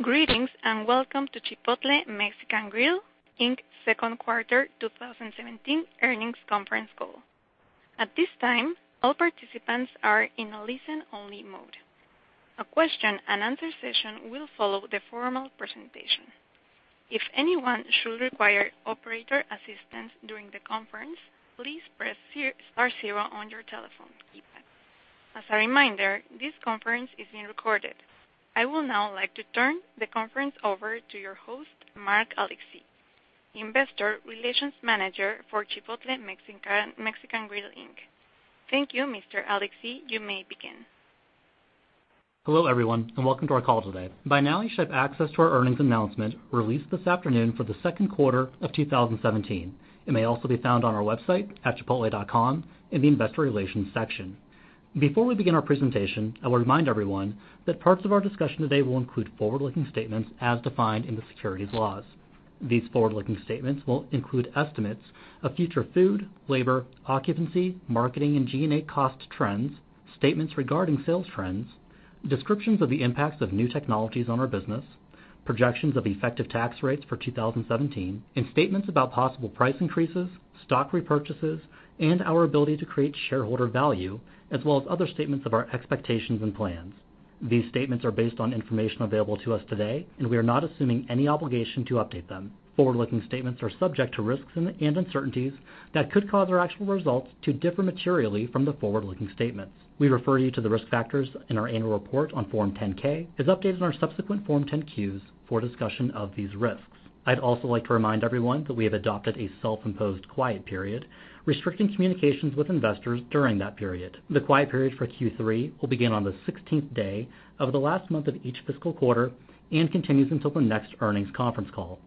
Greetings, and welcome to Chipotle Mexican Grill, Inc.'s second quarter 2017 earnings conference call. At this time, all participants are in a listen-only mode. A question and answer session will follow the formal presentation. If anyone should require operator assistance during the conference, please press star zero on your telephone keypad. As a reminder, this conference is being recorded. I would now like to turn the conference over to your host, Mark Alexee, Investor Relations Manager for Chipotle Mexican Grill, Inc. Thank you, Mr. Alexee. You may begin. Hello, everyone, and welcome to our call today. By now, you should have access to our earnings announcement released this afternoon for the second quarter of 2017. It may also be found on our website at chipotle.com in the investor relations section. Before we begin our presentation, I will remind everyone that parts of our discussion today will include forward-looking statements as defined in the securities laws. These forward-looking statements will include estimates of future food, labor, occupancy, marketing, and G&A cost trends, statements regarding sales trends, descriptions of the impacts of new technologies on our business, projections of effective tax rates for 2017, and statements about possible price increases, stock repurchases, and our ability to create shareholder value, as well as other statements of our expectations and plans. These statements are based on information available to us today, and we are not assuming any obligation to update them. Forward-looking statements are subject to risks and uncertainties that could cause our actual results to differ materially from the forward-looking statements. We refer you to the risk factors in our annual report on Form 10-K, as updated in our subsequent Form 10-Qs, for a discussion of these risks. I would also like to remind everyone that we have adopted a self-imposed quiet period, restricting communications with investors during that period. The quiet period for Q3 will begin on the 16th day of the last month of each fiscal quarter and continues until the next earnings conference call.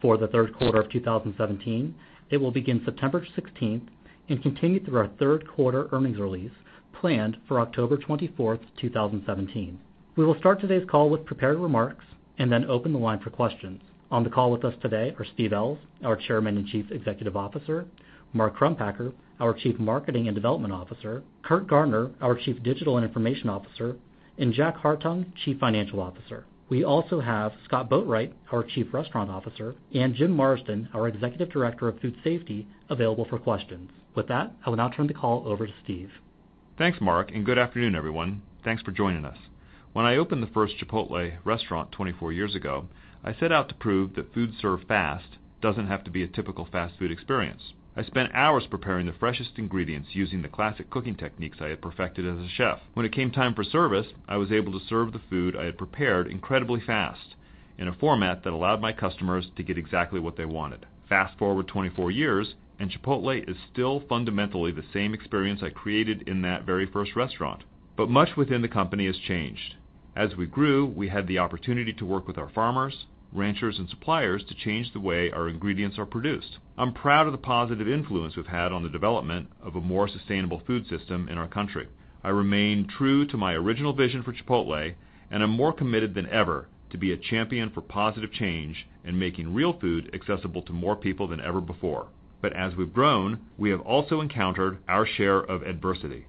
For the third quarter of 2017, it will begin September 16th and continue through our third quarter earnings release planned for October 24th, 2017. We will start today's call with prepared remarks and then open the line for questions. On the call with us today are Steve Ells, our Chairman and Chief Executive Officer; Mark Crumpacker, our Chief Marketing and Development Officer; Curt Garner, our Chief Digital and Information Officer; and Jack Hartung, Chief Financial Officer. We also have Scott Boatwright, our Chief Restaurant Officer, and James Marsden, our Executive Director of Food Safety, available for questions. With that, I will now turn the call over to Steve. Thanks, Mark, and good afternoon, everyone. Thanks for joining us. When I opened the first Chipotle restaurant 24 years ago, I set out to prove that food served fast doesn't have to be a typical fast food experience. I spent hours preparing the freshest ingredients using the classic cooking techniques I had perfected as a chef. When it came time for service, I was able to serve the food I had prepared incredibly fast in a format that allowed my customers to get exactly what they wanted. Fast-forward 24 years, Chipotle is still fundamentally the same experience I created in that very first restaurant. Much within the company has changed. As we grew, we had the opportunity to work with our farmers, ranchers, and suppliers to change the way our ingredients are produced. I'm proud of the positive influence we've had on the development of a more sustainable food system in our country. I remain true to my original vision for Chipotle, I'm more committed than ever to be a champion for positive change and making real food accessible to more people than ever before. As we've grown, we have also encountered our share of adversity.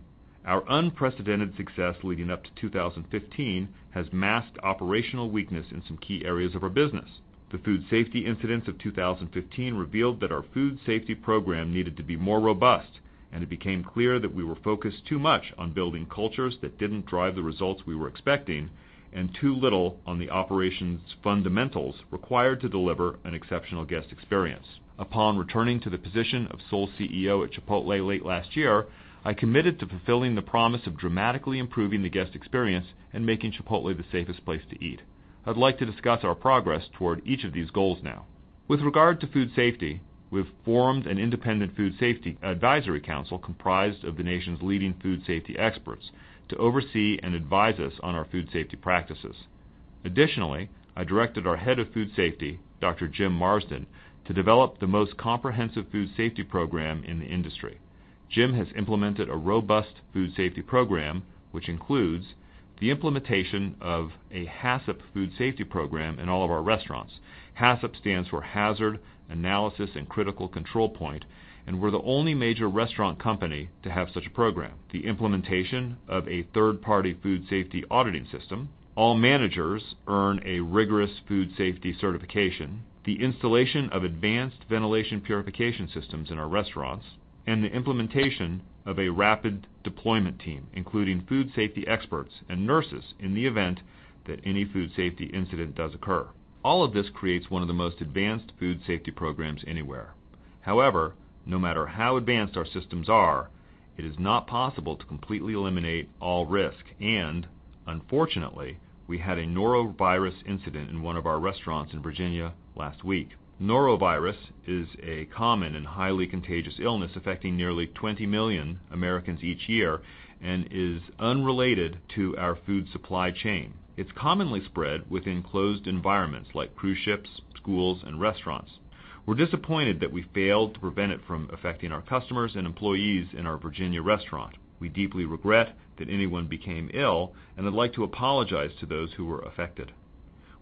Our unprecedented success leading up to 2015 has masked operational weakness in some key areas of our business. The food safety incidents of 2015 revealed that our food safety program needed to be more robust, it became clear that we were focused too much on building cultures that didn't drive the results we were expecting and too little on the operations fundamentals required to deliver an exceptional guest experience. Upon returning to the position of sole CEO at Chipotle late last year, I committed to fulfilling the promise of dramatically improving the guest experience and making Chipotle the safest place to eat. I'd like to discuss our progress toward each of these goals now. With regard to food safety, we've formed an independent food safety advisory council comprised of the nation's leading food safety experts to oversee and advise us on our food safety practices. Additionally, I directed our head of food safety, Dr. James Marsden, to develop the most comprehensive food safety program in the industry. Jim has implemented a robust food safety program, which includes the implementation of a HACCP food safety program in all of our restaurants. HACCP stands for Hazard Analysis and Critical Control Point, we're the only major restaurant company to have such a program. The implementation of a third-party food safety auditing system. All managers earn a rigorous food safety certification. The installation of advanced ventilation purification systems in our restaurants, the implementation of a rapid deployment team, including food safety experts and nurses in the event that any food safety incident does occur. All of this creates one of the most advanced food safety programs anywhere. However, no matter how advanced our systems are, it is not possible to completely eliminate all risk, unfortunately, we had a norovirus incident in one of our restaurants in Virginia last week. Norovirus is a common and highly contagious illness affecting nearly 20 million Americans each year and is unrelated to our food supply chain. It's commonly spread within closed environments like cruise ships, schools, and restaurants. We're disappointed that we failed to prevent it from affecting our customers and employees in our Virginia restaurant. We deeply regret that anyone became ill and would like to apologize to those who were affected.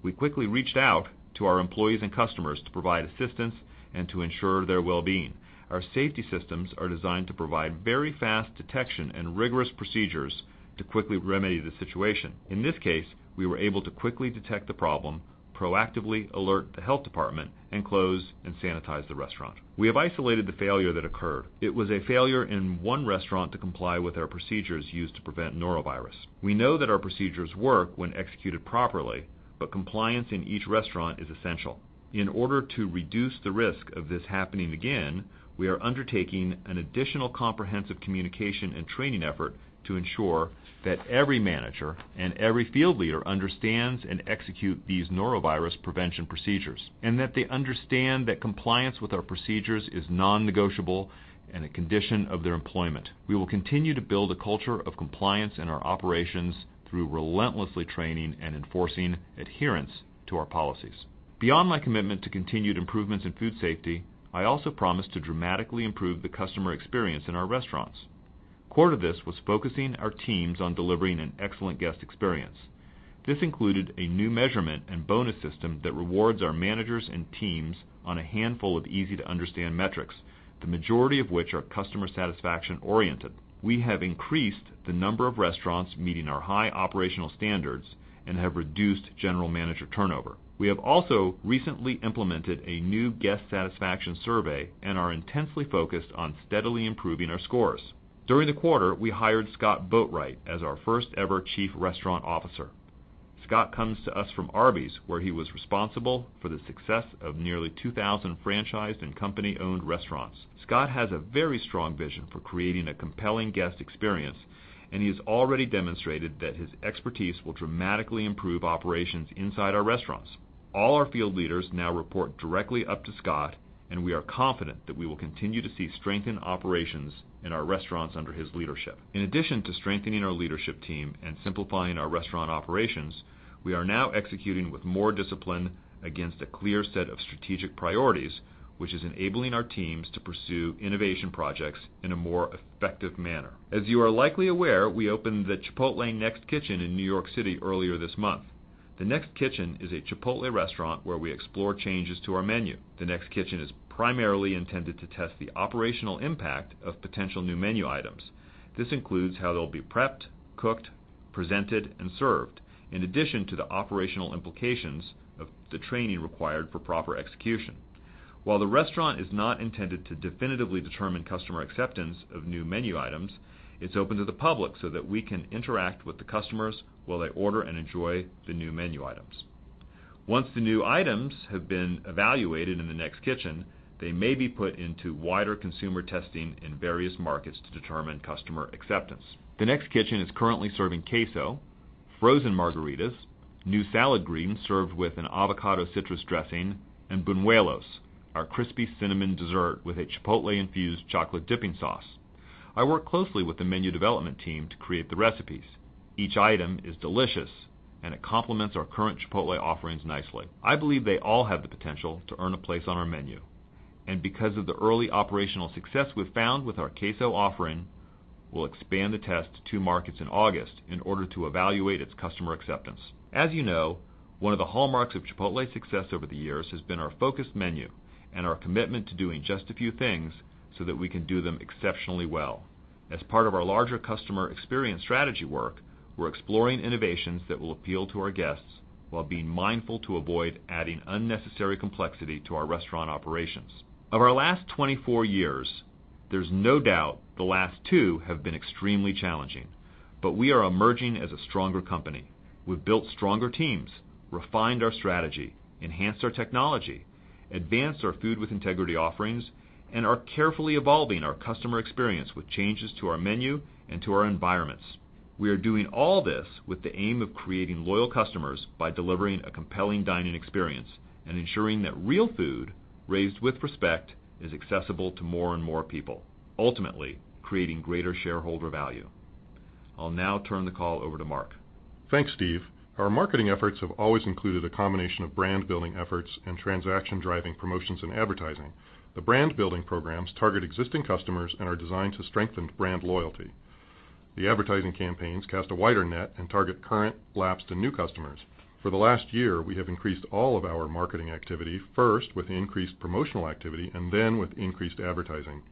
We quickly reached out to our employees and customers to provide assistance and to ensure their well-being. Our safety systems are designed to provide very fast detection and rigorous procedures to quickly remedy the situation. In this case, we were able to quickly detect the problem, proactively alert the health department, and close and sanitize the restaurant. We have isolated the failure that occurred. It was a failure in one restaurant to comply with our procedures used to prevent norovirus. We know that our procedures work when executed properly, but compliance in each restaurant is essential. In order to reduce the risk of this happening again, we are undertaking an additional comprehensive communication and training effort to ensure that every manager and every field leader understands and execute these norovirus prevention procedures, and that they understand that compliance with our procedures is non-negotiable and a condition of their employment. We will continue to build a culture of compliance in our operations through relentlessly training and enforcing adherence to our policies. Beyond my commitment to continued improvements in food safety, I also promise to dramatically improve the customer experience in our restaurants. Core to this was focusing our teams on delivering an excellent guest experience. This included a new measurement and bonus system that rewards our managers and teams on a handful of easy-to-understand metrics, the majority of which are customer satisfaction oriented. We have increased the number of restaurants meeting our high operational standards and have reduced general manager turnover. We have also recently implemented a new guest satisfaction survey and are intensely focused on steadily improving our scores. During the quarter, we hired Scott Boatwright as our first ever Chief Restaurant Officer. Scott comes to us from Arby's, where he was responsible for the success of nearly 2,000 franchised and company-owned restaurants. Scott has a very strong vision for creating a compelling guest experience, and he has already demonstrated that his expertise will dramatically improve operations inside our restaurants. All our field leaders now report directly up to Scott, and we are confident that we will continue to see strengthened operations in our restaurants under his leadership. In addition to strengthening our leadership team and simplifying our restaurant operations, we are now executing with more discipline against a clear set of strategic priorities, which is enabling our teams to pursue innovation projects in a more effective manner. As you are likely aware, we opened the Chipotle Next Kitchen in New York City earlier this month. The Next Kitchen is a Chipotle restaurant where we explore changes to our menu. The Next Kitchen is primarily intended to test the operational impact of potential new menu items. This includes how they'll be prepped, cooked, presented, and served, in addition to the operational implications of the training required for proper execution. While the restaurant is not intended to definitively determine customer acceptance of new menu items, it's open to the public so that we can interact with the customers while they order and enjoy the new menu items. Once the new items have been evaluated in the Next Kitchen, they may be put into wider consumer testing in various markets to determine customer acceptance. The Next Kitchen is currently serving Queso, frozen margaritas, new salad greens served with an avocado citrus dressing, and buñuelos, our crispy cinnamon dessert with a Chipotle-infused chocolate dipping sauce. I work closely with the menu development team to create the recipes. Each item is delicious, and it complements our current Chipotle offerings nicely. I believe they all have the potential to earn a place on our menu. Because of the early operational success we've found with our Queso offering, we'll expand the test to two markets in August in order to evaluate its customer acceptance. As you know, one of the hallmarks of Chipotle's success over the years has been our focused menu and our commitment to doing just a few things so that we can do them exceptionally well. As part of our larger customer experience strategy work, we're exploring innovations that will appeal to our guests while being mindful to avoid adding unnecessary complexity to our restaurant operations. Of our last 24 years, there's no doubt the last two have been extremely challenging, we are emerging as a stronger company. We've built stronger teams, refined our strategy, enhanced our technology, advanced our food with integrity offerings, and are carefully evolving our customer experience with changes to our menu and to our environments. We are doing all this with the aim of creating loyal customers by delivering a compelling dining experience and ensuring that real food, raised with respect, is accessible to more and more people, ultimately creating greater shareholder value. I'll now turn the call over to Mark. Thanks, Steve. Our marketing efforts have always included a combination of brand-building efforts and transaction-driving promotions in advertising. The brand-building programs target existing customers and are designed to strengthen brand loyalty. The advertising campaigns cast a wider net and target current, lapsed, and new customers. For the last year, we have increased all of our marketing activity, first with increased promotional activity and then with increased advertising.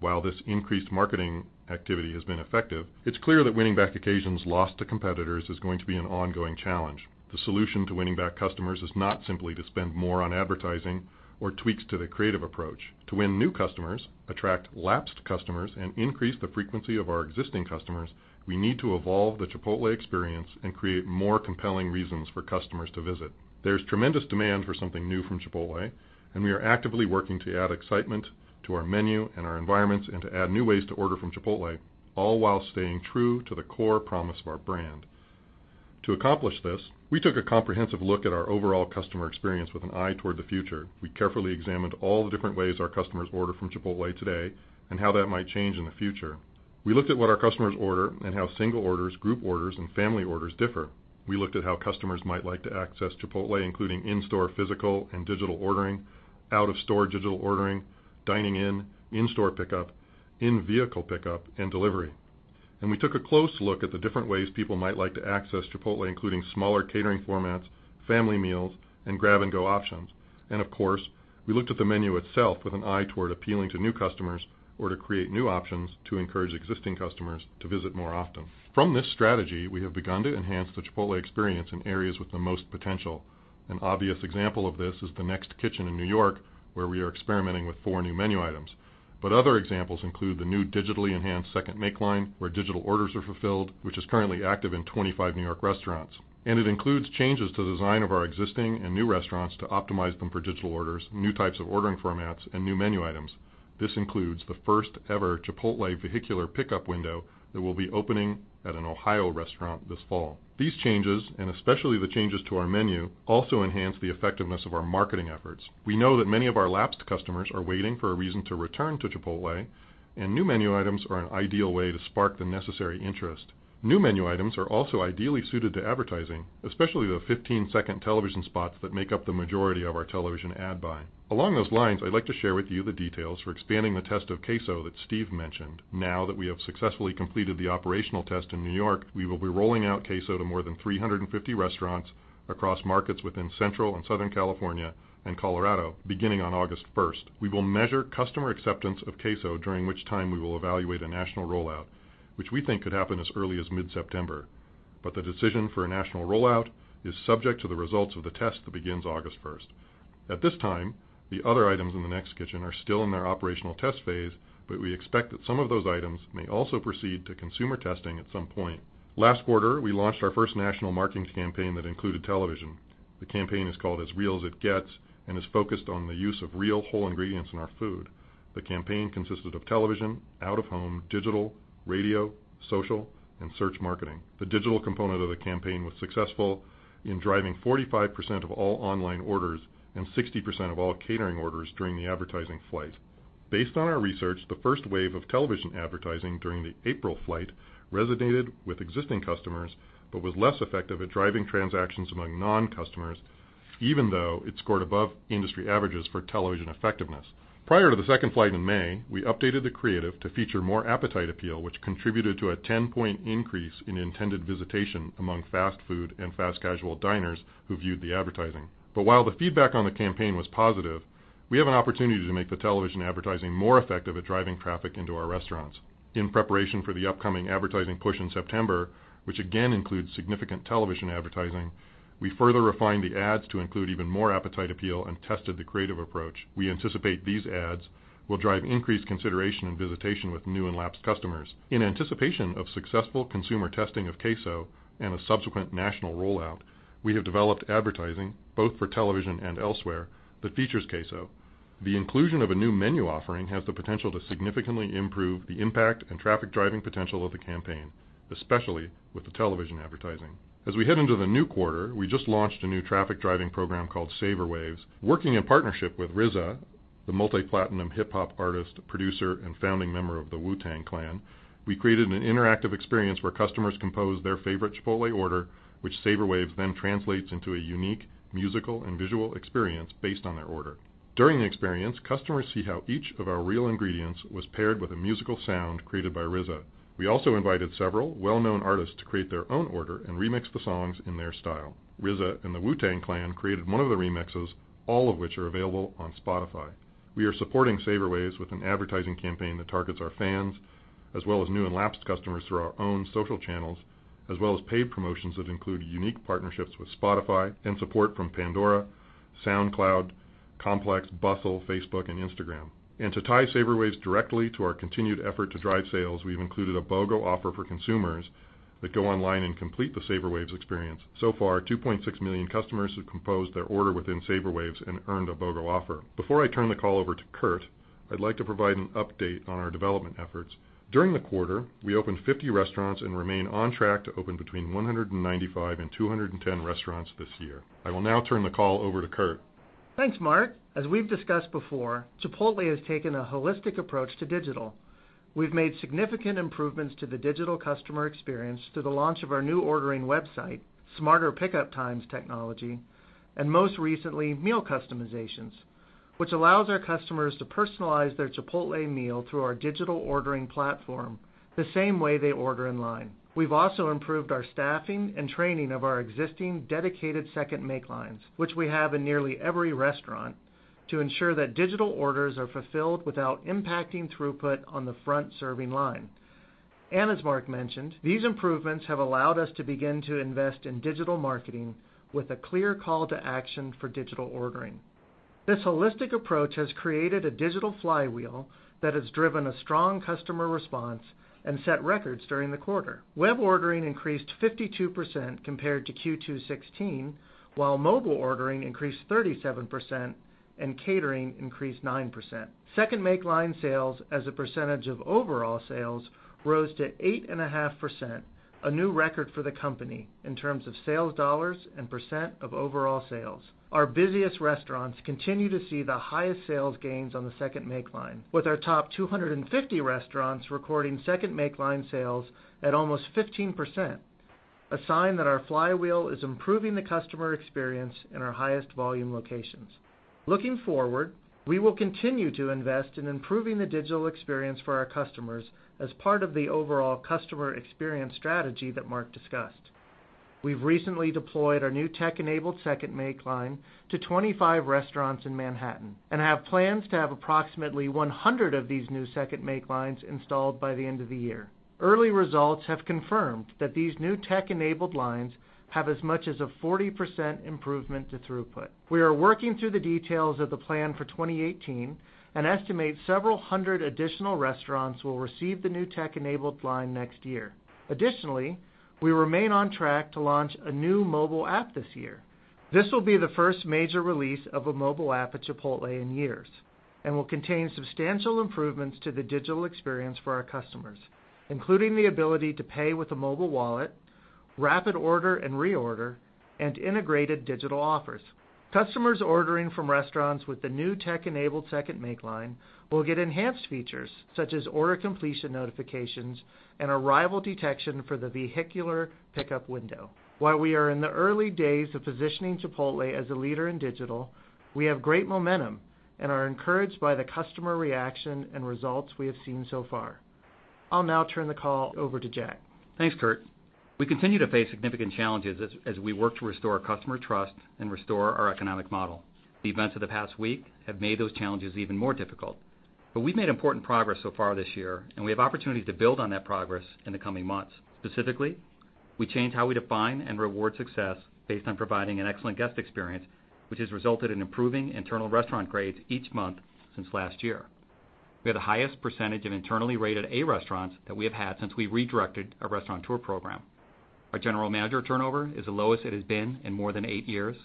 While this increased marketing activity has been effective, it's clear that winning back occasions lost to competitors is going to be an ongoing challenge. The solution to winning back customers is not simply to spend more on advertising or tweaks to the creative approach. To win new customers, attract lapsed customers, and increase the frequency of our existing customers, we need to evolve the Chipotle experience and create more compelling reasons for customers to visit. There's tremendous demand for something new from Chipotle, and we are actively working to add excitement to our menu and our environments and to add new ways to order from Chipotle, all while staying true to the core promise of our brand. To accomplish this, we took a comprehensive look at our overall customer experience with an eye toward the future. We carefully examined all the different ways our customers order from Chipotle today and how that might change in the future. We looked at what our customers order and how single orders, group orders, and family orders differ. We looked at how customers might like to access Chipotle, including in-store physical and digital ordering, out-of-store digital ordering, dining in-store pickup, in-vehicle pickup, and delivery. We took a close look at the different ways people might like to access Chipotle, including smaller catering formats, family meals, and grab-and-go options. Of course, we looked at the menu itself with an eye toward appealing to new customers or to create new options to encourage existing customers to visit more often. From this strategy, we have begun to enhance the Chipotle experience in areas with the most potential. An obvious example of this is the Next Kitchen in New York, where we are experimenting with four new menu items. Other examples include the new digitally enhanced second make line, where digital orders are fulfilled, which is currently active in 25 New York restaurants, and it includes changes to the design of our existing and new restaurants to optimize them for digital orders, new types of ordering formats, and new menu items. This includes the first-ever Chipotle vehicular pickup window that will be opening at an Ohio restaurant this fall. These changes, and especially the changes to our menu, also enhance the effectiveness of our marketing efforts. We know that many of our lapsed customers are waiting for a reason to return to Chipotle, and new menu items are an ideal way to spark the necessary interest. New menu items are also ideally suited to advertising, especially the 15-second television spots that make up the majority of our television ad buy. Along those lines, I'd like to share with you the details for expanding the test of Queso that Steve mentioned. Now that we have successfully completed the operational test in New York, we will be rolling out Queso to more than 350 restaurants across markets within Central and Southern California and Colorado, beginning on August 1st. We will measure customer acceptance of Queso, during which time we will evaluate a national rollout, which we think could happen as early as mid-September. The decision for a national rollout is subject to the results of the test that begins August 1st. At this time, the other items in the Next Kitchen are still in their operational test phase, but we expect that some of those items may also proceed to consumer testing at some point. Last quarter, we launched our first national marketing campaign that included television. The campaign is called As Real As It Gets and is focused on the use of real, whole ingredients in our food. The campaign consisted of television, out-of-home, digital, radio, social, and search marketing. The digital component of the campaign was successful in driving 45% of all online orders and 60% of all catering orders during the advertising flight. Based on our research, the first wave of television advertising during the April flight resonated with existing customers but was less effective at driving transactions among non-customers, even though it scored above industry averages for television effectiveness. Prior to the second flight in May, we updated the creative to feature more appetite appeal, which contributed to a 10-point increase in intended visitation among fast food and fast casual diners who viewed the advertising. While the feedback on the campaign was positive, we have an opportunity to make the television advertising more effective at driving traffic into our restaurants. In preparation for the upcoming advertising push in September, which again includes significant television advertising, we further refined the ads to include even more appetite appeal and tested the creative approach. We anticipate these ads will drive increased consideration and visitation with new and lapsed customers. In anticipation of successful consumer testing of Queso and a subsequent national rollout, we have developed advertising both for television and elsewhere that features Queso. The inclusion of a new menu offering has the potential to significantly improve the impact and traffic-driving potential of the campaign, especially with the television advertising. As we head into the new quarter, we just launched a new traffic-driving program called SAVOR.WAVS. Working in partnership with RZA, the multi-platinum hip-hop artist, producer, and founding member of the Wu-Tang Clan, we created an interactive experience where customers compose their favorite Chipotle order, which SAVOR.WAVS then translates into a unique musical and visual experience based on their order. During the experience, customers see how each of our real ingredients was paired with a musical sound created by RZA. We also invited several well-known artists to create their own order and remix the songs in their style. RZA and the Wu-Tang Clan created one of the remixes, all of which are available on Spotify. We are supporting SAVOR.WAVS with an advertising campaign that targets our fans as well as new and lapsed customers through our own social channels, as well as paid promotions that include unique partnerships with Spotify and support from Pandora, SoundCloud, Complex, Bustle, Facebook, and Instagram. To tie SAVOR.WAVS directly to our continued effort to drive sales, we've included a BOGO offer for consumers that go online and complete the SAVOR.WAVS experience. So far, 2.6 million customers have composed their order within SAVOR.WAVS and earned a BOGO offer. Before I turn the call over to Curt, I'd like to provide an update on our development efforts. During the quarter, we opened 50 restaurants and remain on track to open between 195 and 210 restaurants this year. I will now turn the call over to Curt. Thanks, Mark. As we've discussed before, Chipotle has taken a holistic approach to digital. We've made significant improvements to the digital customer experience through the launch of our new ordering website, smarter pickup times technology, and most recently, meal customizations, which allows our customers to personalize their Chipotle meal through our digital ordering platform the same way they order in line. We've also improved our staffing and training of our existing dedicated second make lines, which we have in nearly every restaurant, to ensure that digital orders are fulfilled without impacting throughput on the front serving line. As Mark mentioned, these improvements have allowed us to begin to invest in digital marketing with a clear call to action for digital ordering. This holistic approach has created a digital flywheel that has driven a strong customer response and set records during the quarter. Web ordering increased 52% compared to Q2 2016, while mobile ordering increased 37% and catering increased 9%. Second make line sales as a percentage of overall sales rose to 8.5%, a new record for the company in terms of sales dollars and percent of overall sales. Our busiest restaurants continue to see the highest sales gains on the second make line, with our top 250 restaurants recording second make line sales at almost 15%. A sign that our flywheel is improving the customer experience in our highest volume locations. Looking forward, we will continue to invest in improving the digital experience for our customers as part of the overall customer experience strategy that Mark discussed. We've recently deployed our new tech-enabled second make line to 25 restaurants in Manhattan and have plans to have approximately 100 of these new second make lines installed by the end of the year. Early results have confirmed that these new tech-enabled lines have as much as a 40% improvement to throughput. We are working through the details of the plan for 2018 and estimate several hundred additional restaurants will receive the new tech-enabled line next year. Additionally, we remain on track to launch a new mobile app this year. This will be the first major release of a mobile app at Chipotle in years and will contain substantial improvements to the digital experience for our customers, including the ability to pay with a mobile wallet, rapid order and reorder, and integrated digital offers. Customers ordering from restaurants with the new tech-enabled second make line will get enhanced features such as order completion notifications and arrival detection for the vehicular pickup window. While we are in the early days of positioning Chipotle as a leader in digital, we have great momentum and are encouraged by the customer reaction and results we have seen so far. I'll now turn the call over to Jack. Thanks, Curt. We continue to face significant challenges as we work to restore customer trust and restore our economic model. The events of the past week have made those challenges even more difficult. We've made important progress so far this year, and we have opportunities to build on that progress in the coming months. Specifically, we change how we define and reward success based on providing an excellent guest experience, which has resulted in improving internal restaurant grades each month since last year. We have the highest percentage of internally rated A restaurants that we have had since we redirected our Restaurateur Program. Our general manager turnover is the lowest it has been in more than eight years,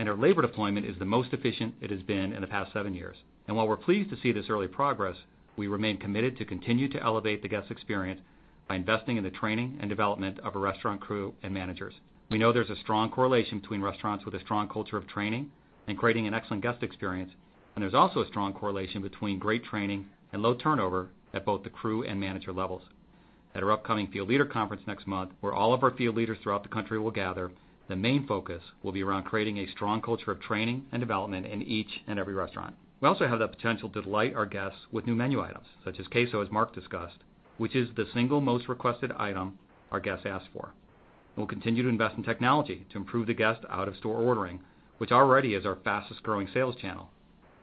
and our labor deployment is the most efficient it has been in the past seven years. While we're pleased to see this early progress, we remain committed to continue to elevate the guest experience by investing in the training and development of a restaurant crew and managers. We know there's a strong correlation between restaurants with a strong culture of training and creating an excellent guest experience, and there's also a strong correlation between great training and low turnover at both the crew and manager levels. At our upcoming field leader conference next month, where all of our field leaders throughout the country will gather, the main focus will be around creating a strong culture of training and development in each and every restaurant. We also have the potential to delight our guests with new menu items, such as Queso, as Mark discussed, which is the single most requested item our guests ask for. We'll continue to invest in technology to improve the guest out-of-store ordering, which already is our fastest-growing sales channel,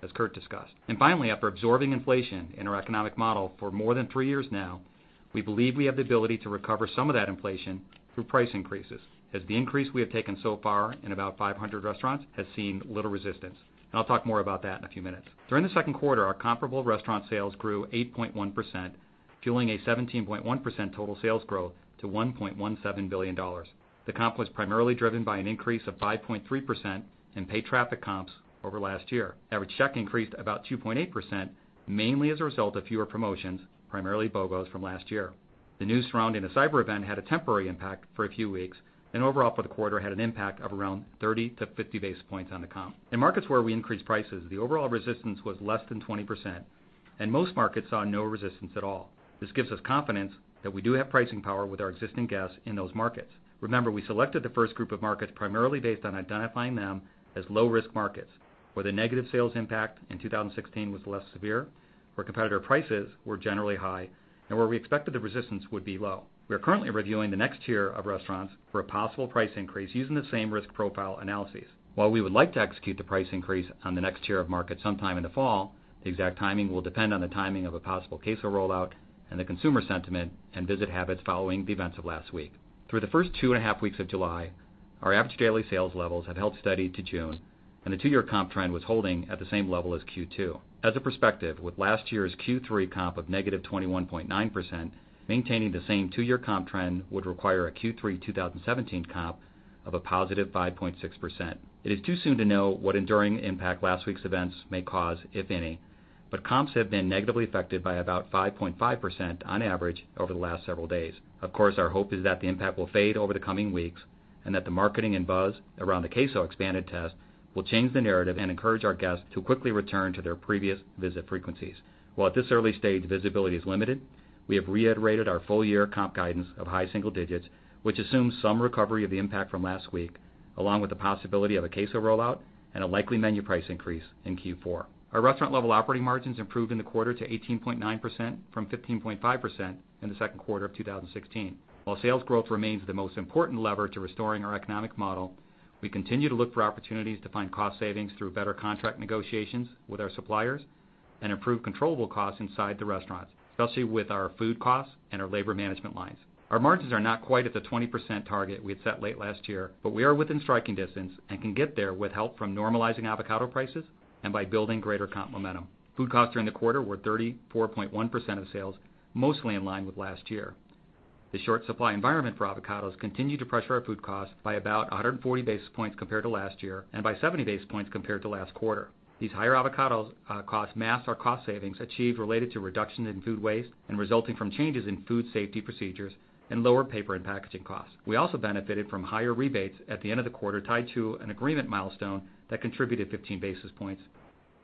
as Curt discussed. Finally, after absorbing inflation in our economic model for more than three years now, we believe we have the ability to recover some of that inflation through price increases, as the increase we have taken so far in about 500 restaurants has seen little resistance, and I'll talk more about that in a few minutes. During the second quarter, our comparable restaurant sales grew 8.1%, fueling a 17.1% total sales growth to $1.17 billion. The comp was primarily driven by an increase of 5.3% in paid traffic comps over last year. Average check increased about 2.8%, mainly as a result of fewer promotions, primarily BOGOs from last year. The news surrounding the cyber event had a temporary impact for a few weeks, and overall for the quarter, had an impact of around 30 to 50 basis points on the comp. In markets where we increased prices, the overall resistance was less than 20%, and most markets saw no resistance at all. This gives us confidence that we do have pricing power with our existing guests in those markets. Remember, we selected the first group of markets primarily based on identifying them as low-risk markets, where the negative sales impact in 2016 was less severe, where competitor prices were generally high, and where we expected the resistance would be low. We are currently reviewing the next tier of restaurants for a possible price increase using the same risk profile analyses. While we would like to execute the price increase on the next tier of markets sometime in the fall, the exact timing will depend on the timing of a possible Queso rollout and the consumer sentiment and visit habits following the events of last week. Through the first two and a half weeks of July, our average daily sales levels have held steady to June, and the two-year comp trend was holding at the same level as Q2. As a perspective, with last year's Q3 comp of -21.9%, maintaining the same two-year comp trend would require a Q3 2017 comp of a positive 5.6%. It is too soon to know what enduring impact last week's events may cause, if any, but comps have been negatively affected by about 5.5% on average over the last several days. Our hope is that the impact will fade over the coming weeks, that the marketing and buzz around the Queso expanded test will change the narrative and encourage our guests to quickly return to their previous visit frequencies. While at this early stage visibility is limited, we have reiterated our full-year comp guidance of high single digits, which assumes some recovery of the impact from last week, along with the possibility of a Queso rollout and a likely menu price increase in Q4. Our restaurant level operating margins improved in the quarter to 18.9% from 15.5% in the second quarter of 2016. Sales growth remains the most important lever to restoring our economic model, we continue to look for opportunities to find cost savings through better contract negotiations with our suppliers and improve controllable costs inside the restaurants, especially with our food costs and our labor management lines. Our margins are not quite at the 20% target we had set late last year, we are within striking distance and can get there with help from normalizing avocado prices and by building greater comp momentum. Food costs during the quarter were 34.1% of sales, mostly in line with last year. The short supply environment for avocados continued to pressure our food cost by about 140 basis points compared to last year and by 70 basis points compared to last quarter. These higher avocado costs masked our cost savings achieved related to reduction in food waste and resulting from changes in food safety procedures and lower paper and packaging costs. We also benefited from higher rebates at the end of the quarter tied to an agreement milestone that contributed 15 basis points.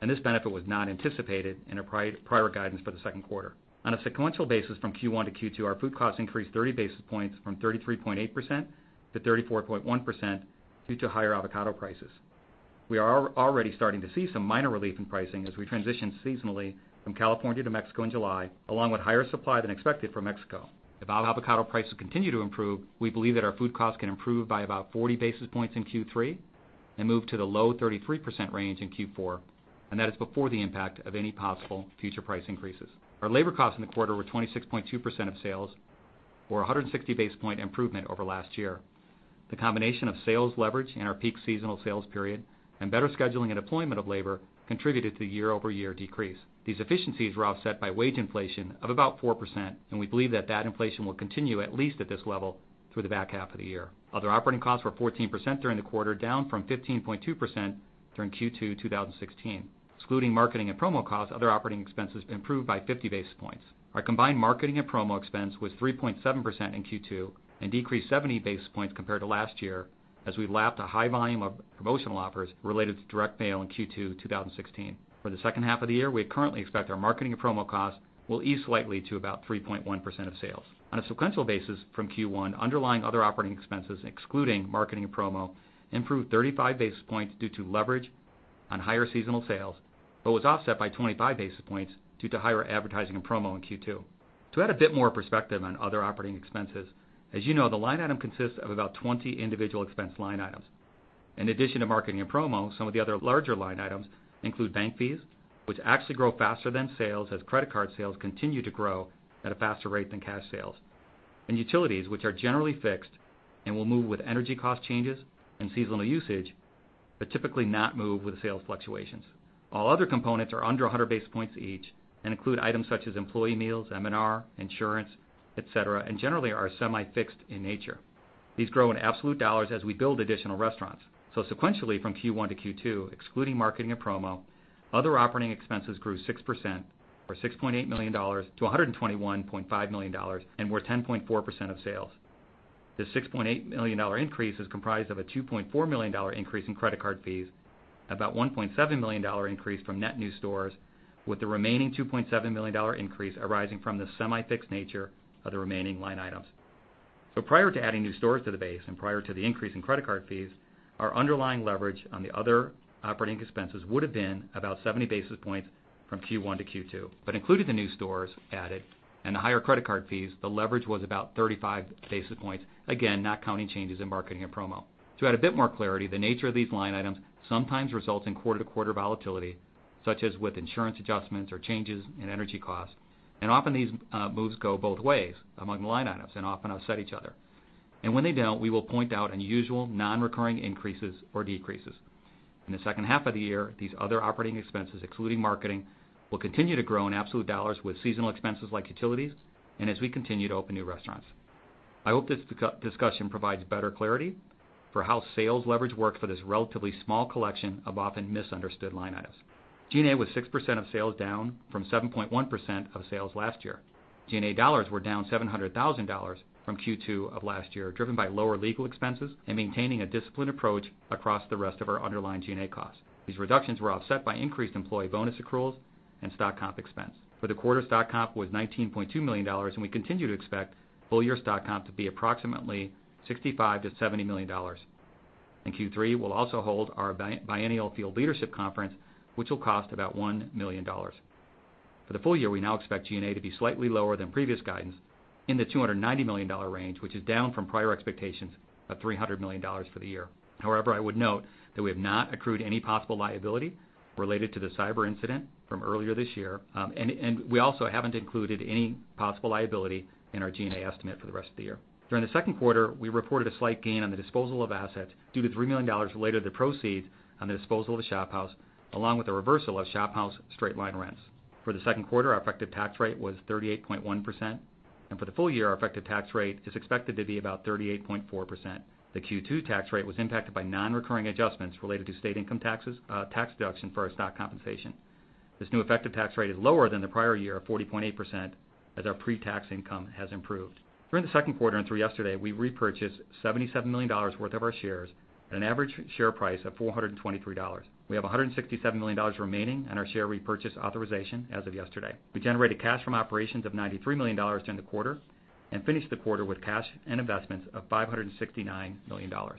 This benefit was not anticipated in our prior guidance for the second quarter. On a sequential basis from Q1 to Q2, our food costs increased 30 basis points from 33.8% to 34.1% due to higher avocado prices. We are already starting to see some minor relief in pricing as we transition seasonally from California to Mexico in July, along with higher supply than expected from Mexico. If our avocado prices continue to improve, we believe that our food costs can improve by about 40 basis points in Q3 and move to the low 33% range in Q4. That is before the impact of any possible future price increases. Our labor costs in the quarter were 26.2% of sales or 160 basis point improvement over last year. The combination of sales leverage in our peak seasonal sales period and better scheduling and deployment of labor contributed to the year-over-year decrease. These efficiencies were offset by wage inflation of about 4%. We believe that that inflation will continue at least at this level through the back half of the year. Other operating costs were 14% during the quarter, down from 15.2% during Q2 2016. Excluding marketing and promo costs, other operating expenses improved by 50 basis points. Our combined marketing and promo expense was 3.7% in Q2. It decreased 70 basis points compared to last year as we lapped a high volume of promotional offers related to direct mail in Q2 2016. For the second half of the year, we currently expect our marketing and promo costs will ease slightly to about 3.1% of sales. On a sequential basis from Q1, underlying other operating expenses excluding marketing and promo improved 35 basis points due to leverage on higher seasonal sales. This was offset by 25 basis points due to higher advertising and promo in Q2. To add a bit more perspective on other operating expenses, as you know, the line item consists of about 20 individual expense line items. In addition to marketing and promo, some of the other larger line items include bank fees, which actually grow faster than sales as credit card sales continue to grow at a faster rate than cash sales. Utilities, which are generally fixed and will move with energy cost changes and seasonal usage, typically not move with sales fluctuations. All other components are under 100 basis points each and include items such as employee meals, M&R, insurance, et cetera. Generally are semi-fixed in nature. These grow in absolute $ as we build additional restaurants. Sequentially from Q1 to Q2, excluding marketing and promo, other operating expenses grew 6% or $6.8 million to $121.5 million. They were 10.4% of sales. The $6.8 million increase is comprised of a $2.4 million increase in credit card fees, about $1.7 million increase from net new stores, with the remaining $2.7 million increase arising from the semi-fixed nature of the remaining line items. Prior to adding new stores to the base and prior to the increase in credit card fees, our underlying leverage on the other operating expenses would have been about 70 basis points from Q1 to Q2. Including the new stores added and the higher credit card fees, the leverage was about 35 basis points, again, not counting changes in marketing and promo. To add a bit more clarity, the nature of these line items sometimes results in quarter-to-quarter volatility, such as with insurance adjustments or changes in energy costs. Often these moves go both ways among line items and often offset each other. When they don't, we will point out unusual non-recurring increases or decreases. In the second half of the year, these other operating expenses, excluding marketing, will continue to grow in absolute dollars with seasonal expenses like utilities and as we continue to open new restaurants. I hope this discussion provides better clarity for how sales leverage works for this relatively small collection of often misunderstood line items. G&A was 6% of sales, down from 7.1% of sales last year. G&A dollars were down $700,000 from Q2 of last year, driven by lower legal expenses and maintaining a disciplined approach across the rest of our underlying G&A costs. These reductions were offset by increased employee bonus accruals and stock comp expense. For the quarter, stock comp was $19.2 million, and we continue to expect full year stock comp to be approximately $65 million-$70 million. In Q3, we'll also hold our biennial field leadership conference, which will cost about $1 million. For the full year, we now expect G&A to be slightly lower than previous guidance in the $290 million range, which is down from prior expectations of $300 million for the year. I would note that we have not accrued any possible liability related to the cyber incident from earlier this year, and we also haven't included any possible liability in our G&A estimate for the rest of the year. During the second quarter, we reported a slight gain on the disposal of assets due to $3 million related to proceeds on the disposal of the ShopHouse, along with the reversal of ShopHouse straight-line rents. For the second quarter, our effective tax rate was 38.1%, and for the full year, our effective tax rate is expected to be about 38.4%. The Q2 tax rate was impacted by non-recurring adjustments related to state income taxes, tax deduction for our stock compensation. This new effective tax rate is lower than the prior year of 40.8% as our pre-tax income has improved. During the second quarter and through yesterday, we repurchased $77 million worth of our shares at an average share price of $423. We have $167 million remaining on our share repurchase authorization as of yesterday. We generated cash from operations of $93 million during the quarter and finished the quarter with cash and investments of $569 million. Our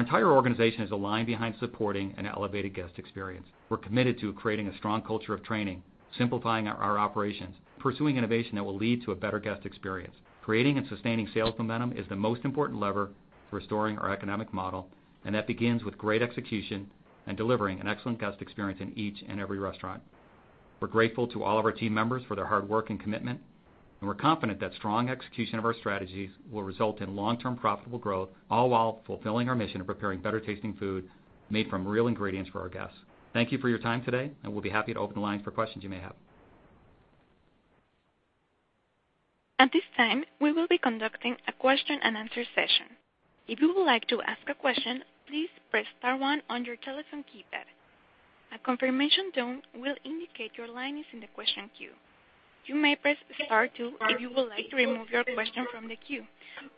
entire organization is aligned behind supporting an elevated guest experience. We're committed to creating a strong culture of training, simplifying our operations, pursuing innovation that will lead to a better guest experience. Creating and sustaining sales momentum is the most important lever for restoring our economic model. That begins with great execution and delivering an excellent guest experience in each and every restaurant. We're grateful to all of our team members for their hard work and commitment. We're confident that strong execution of our strategies will result in long-term profitable growth, all while fulfilling our mission of preparing better-tasting food made from real ingredients for our guests. Thank you for your time today. We'll be happy to open the lines for questions you may have. At this time, we will be conducting a question and answer session. If you would like to ask a question, please press star one on your telephone keypad. A confirmation tone will indicate your line is in the question queue. You may press star two if you would like to remove your question from the queue.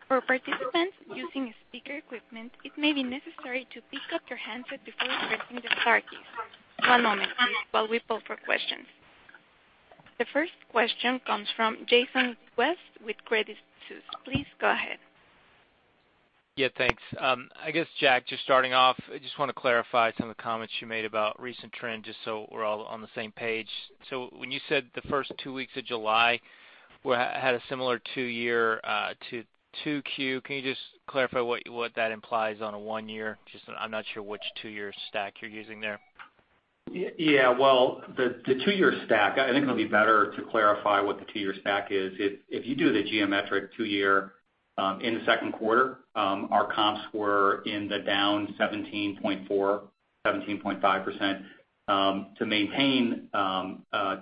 For participants using speaker equipment, it may be necessary to pick up your handset before pressing the star key. One moment, please, while we pull for questions. The first question comes from Jason West with Credit Suisse. Please go ahead. Yeah, thanks. I guess, Jack, just starting off, I just want to clarify some of the comments you made about recent trends, just so we're all on the same page. When you said the first 2 weeks of July had a similar 2-year to Q2, can you just clarify what that implies on a 1-year? I'm not sure which 2-year stack you're using there. Yeah. The 2-year stack, I think it'll be better to clarify what the 2-year stack is. If you do the geometric 2-year in the Q2, our comps were in the down 17.4%, 17.5%.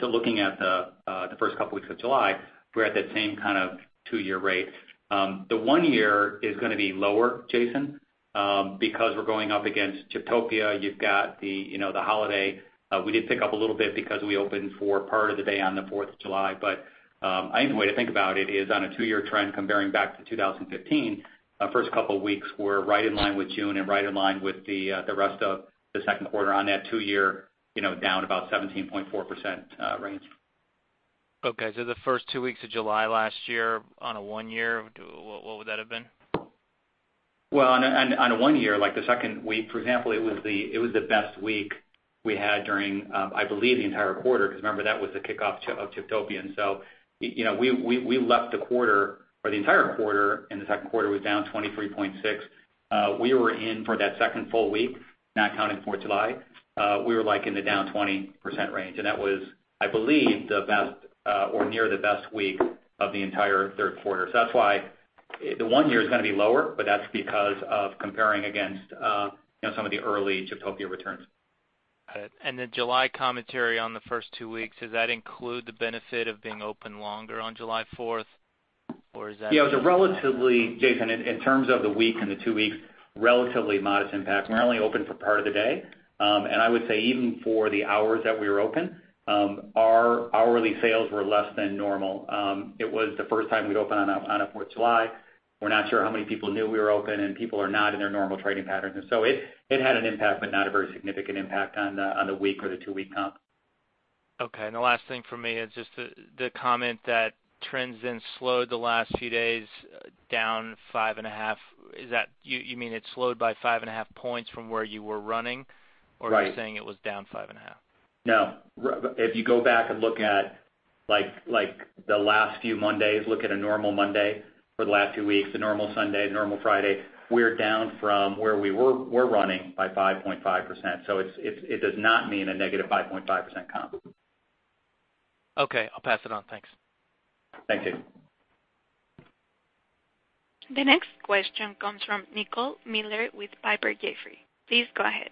Looking at the first couple weeks of July, we're at that same kind of 2-year rate. The 1-year is going to be lower, Jason, because we're going up against Chiptopia. You've got the holiday. We did pick up a little bit because we opened for part of the day on the 4th of July. I think the way to think about it is on a 2-year trend comparing back to 2015, first couple of weeks were right in line with June and right in line with the rest of the Q2 on that 2-year down about 17.4% range. Okay. The first 2 weeks of July last year on a 1-year, what would that have been? Well, on a one year, like the second week, for example, it was the best week we had during, I believe, the entire quarter because remember, that was the kickoff of Chiptopia. We left the quarter or the entire quarter in the second quarter was down 23.6%. We were in for that second full week, not counting 4th of July. We were like in the down 20% range. That was, I believe, the best or near the best week of the entire third quarter. That's why the one year is going to be lower, but that's because of comparing against some of the early Chiptopia returns. Got it. The July commentary on the first two weeks, does that include the benefit of being open longer on July 4th, or is that- Yeah. Jason, in terms of the week and the two weeks, relatively modest impact. We were only open for part of the day. I would say even for the hours that we were open, our hourly sales were less than normal. It was the first time we'd opened on a 4th of July. We're not sure how many people knew we were open, and people are not in their normal trading patterns. It had an impact, but not a very significant impact on the week or the two-week comp. Okay. The last thing from me is just the comment that trends then slowed the last few days down five and a half. You mean it slowed by five and a half points from where you were running? Right. Are you saying it was down 5.5? No. If you go back and look at the last few Mondays, look at a normal Monday for the last two weeks, a normal Sunday, normal Friday, we're down from where we were running by 5.5%. It does not mean a negative 5.5% comp. Okay. I'll pass it on. Thanks. Thank you. The next question comes from Nicole Miller with Piper Jaffray. Please go ahead.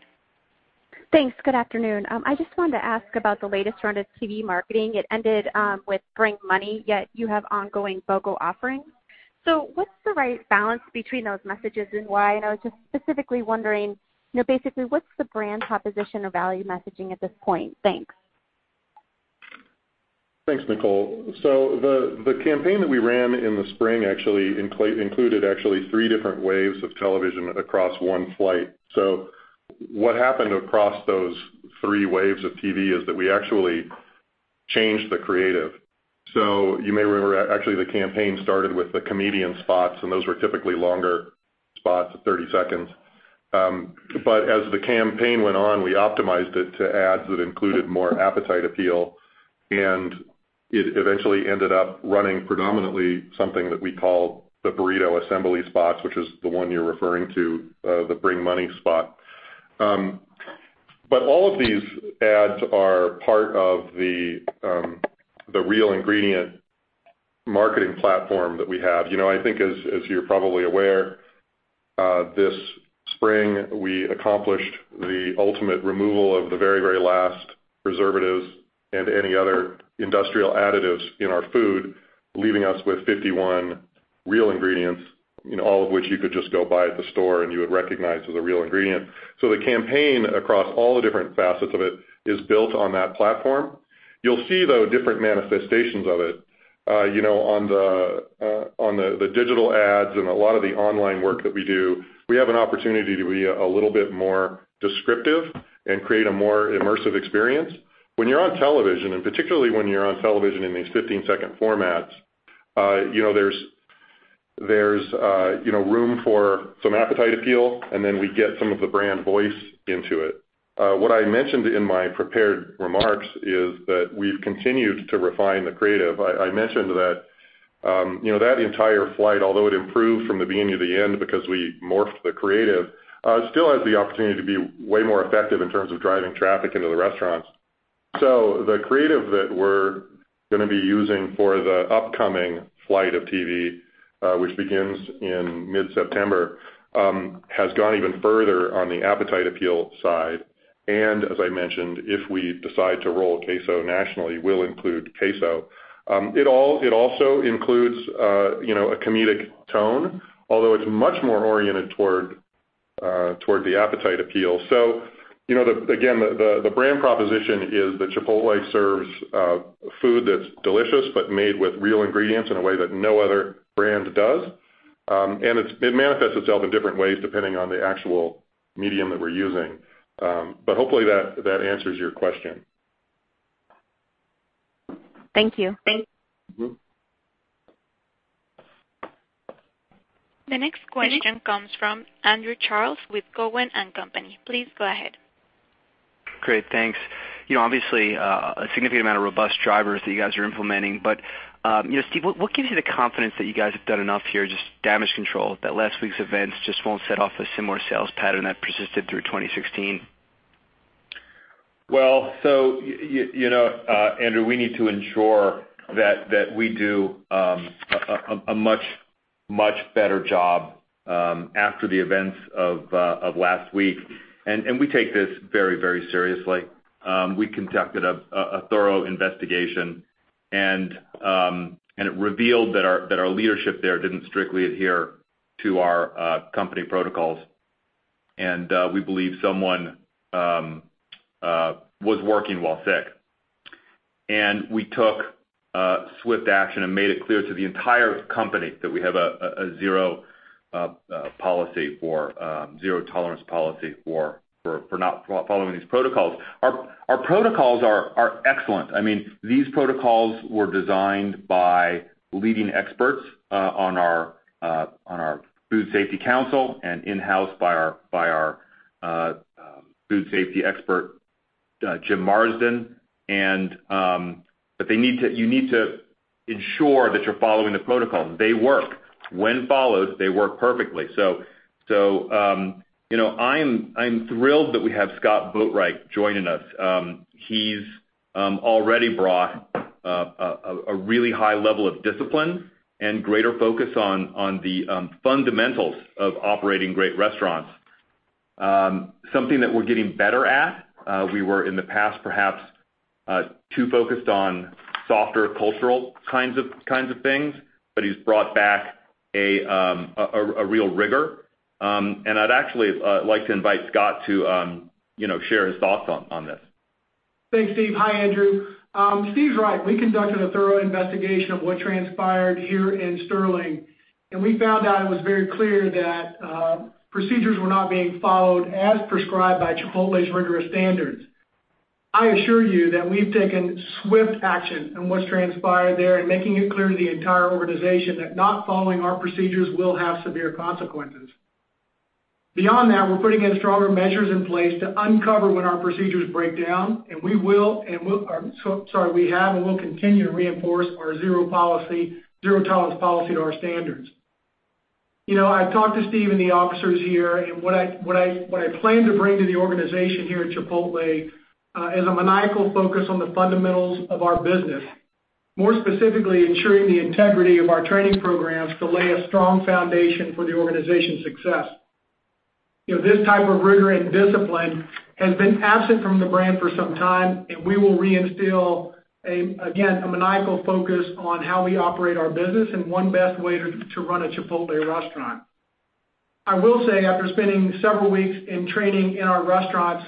Thanks. Good afternoon. I just wanted to ask about the latest round of TV marketing. It ended with Bring Money, yet you have ongoing BOGO offerings. What's the right balance between those messages and why? I was just specifically wondering, basically, what's the brand proposition or value messaging at this point? Thanks. Thanks, Nicole. The campaign that we ran in the spring actually included three different waves of television across one flight. What happened across those three waves of TV is that we actually changed the creative. You may remember, actually, the campaign started with the comedian spots, and those were typically longer spots of 30 seconds. As the campaign went on, we optimized it to ads that included more appetite appeal, and it eventually ended up running predominantly something that we call the burrito assembly spots, which is the one you're referring to, the Bring Money spot. All of these ads are part of the real ingredient marketing platform that we have. I think, as you're probably aware, this spring we accomplished the ultimate removal of the very last preservatives and any other industrial additives in our food, leaving us with 51 real ingredients, all of which you could just go buy at the store and you would recognize as a real ingredient. You'll see, though, different manifestations of it on the digital ads and a lot of the online work that we do. We have an opportunity to be a little bit more descriptive and create a more immersive experience. When you're on television, and particularly when you're on television in these 15-second formats, there's room for some appetite appeal, and then we get some of the brand voice into it. What I mentioned in my prepared remarks is that we've continued to refine the creative. I mentioned that entire flight, although it improved from the beginning to the end because we morphed the creative, still has the opportunity to be way more effective in terms of driving traffic into the restaurants. The creative that we're going to be using for the upcoming flight of TV, which begins in mid-September, has gone even further on the appetite appeal side. As I mentioned, if we decide to roll Queso nationally, we'll include Queso. It also includes a comedic tone, although it's much more oriented toward Toward the appetite appeal. Again, the brand proposition is that Chipotle serves food that's delicious but made with real ingredients in a way that no other brand does. It manifests itself in different ways, depending on the actual medium that we're using. Hopefully that answers your question. Thank you. The next question comes from Andrew Charles with Cowen and Company. Please go ahead. Great. Thanks. Obviously, a significant amount of robust drivers that you guys are implementing, Steve, what gives you the confidence that you guys have done enough here, just damage control, that last week's events just won't set off a similar sales pattern that persisted through 2016? Andrew, we need to ensure that we do a much better job after the events of last week. We take this very seriously. We conducted a thorough investigation, it revealed that our leadership there didn't strictly adhere to our company protocols, we believe someone was working while sick. We took swift action and made it clear to the entire company that we have a zero-tolerance policy for not following these protocols. Our protocols are excellent. These protocols were designed by leading experts on our food safety council and in-house by our food safety expert, James Marsden. You need to ensure that you're following the protocol. They work. When followed, they work perfectly. I'm thrilled that we have Scott Boatwright joining us. He's already brought a really high level of discipline and greater focus on the fundamentals of operating great restaurants. Something that we're getting better at. We were, in the past, perhaps too focused on softer cultural kinds of things, he's brought back a real rigor. I'd actually like to invite Scott to share his thoughts on this. Thanks, Steve. Hi, Andrew. Steve's right. We conducted a thorough investigation of what transpired here in Sterling, we found out it was very clear that procedures were not being followed as prescribed by Chipotle's rigorous standards. I assure you that we've taken swift action in what's transpired there making it clear to the entire organization that not following our procedures will have severe consequences. Beyond that, we're putting in stronger measures in place to uncover when our procedures break down, we have and will continue to reinforce our zero-tolerance policy to our standards. I've talked to Steve and the officers here, what I plan to bring to the organization here at Chipotle is a maniacal focus on the fundamentals of our business. More specifically, ensuring the integrity of our training programs to lay a strong foundation for the organization's success. This type of rigor and discipline has been absent from the brand for some time. We will reinstill, again, a maniacal focus on how we operate our business and one best way to run a Chipotle restaurant. I will say, after spending several weeks in training in our restaurants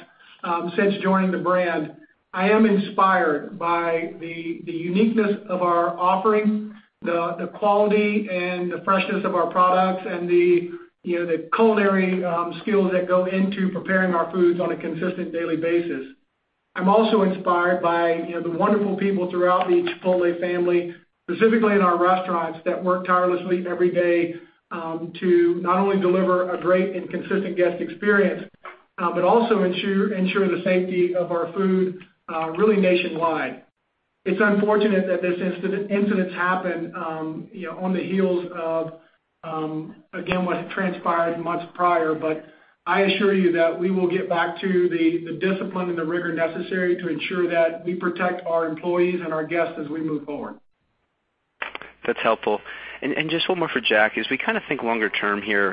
since joining the brand, I am inspired by the uniqueness of our offering, the quality and the freshness of our products, and the culinary skills that go into preparing our foods on a consistent daily basis. I am also inspired by the wonderful people throughout the Chipotle family, specifically in our restaurants, that work tirelessly every day to not only deliver a great and consistent guest experience, but also ensure the safety of our food really nationwide. It is unfortunate that this incident has happened on the heels of, again, what transpired months prior. I assure you that we will get back to the discipline and the rigor necessary to ensure that we protect our employees and our guests as we move forward. That is helpful. Just one more for Jack, as we think longer term here,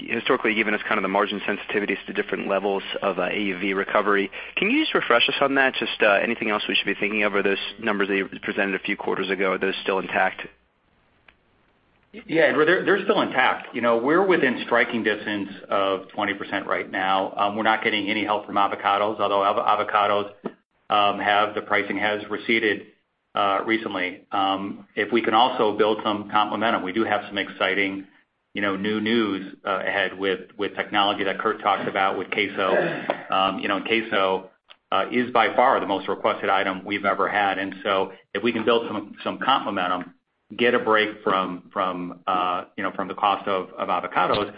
historically, you have given us the margin sensitivities to different levels of AUV recovery. Can you just refresh us on that? Just anything else we should be thinking of? Are those numbers that you presented a few quarters ago, are those still intact? Andrew, they are still intact. We are within striking distance of 20% right now. We are not getting any help from avocados, although avocados, the pricing has receded recently. If we can also build some comp momentum, we do have some exciting new news ahead with technology that Curt talked about with Queso. Queso is by far the most requested item we have ever had. If we can build some comp momentum, get a break from the cost of avocados,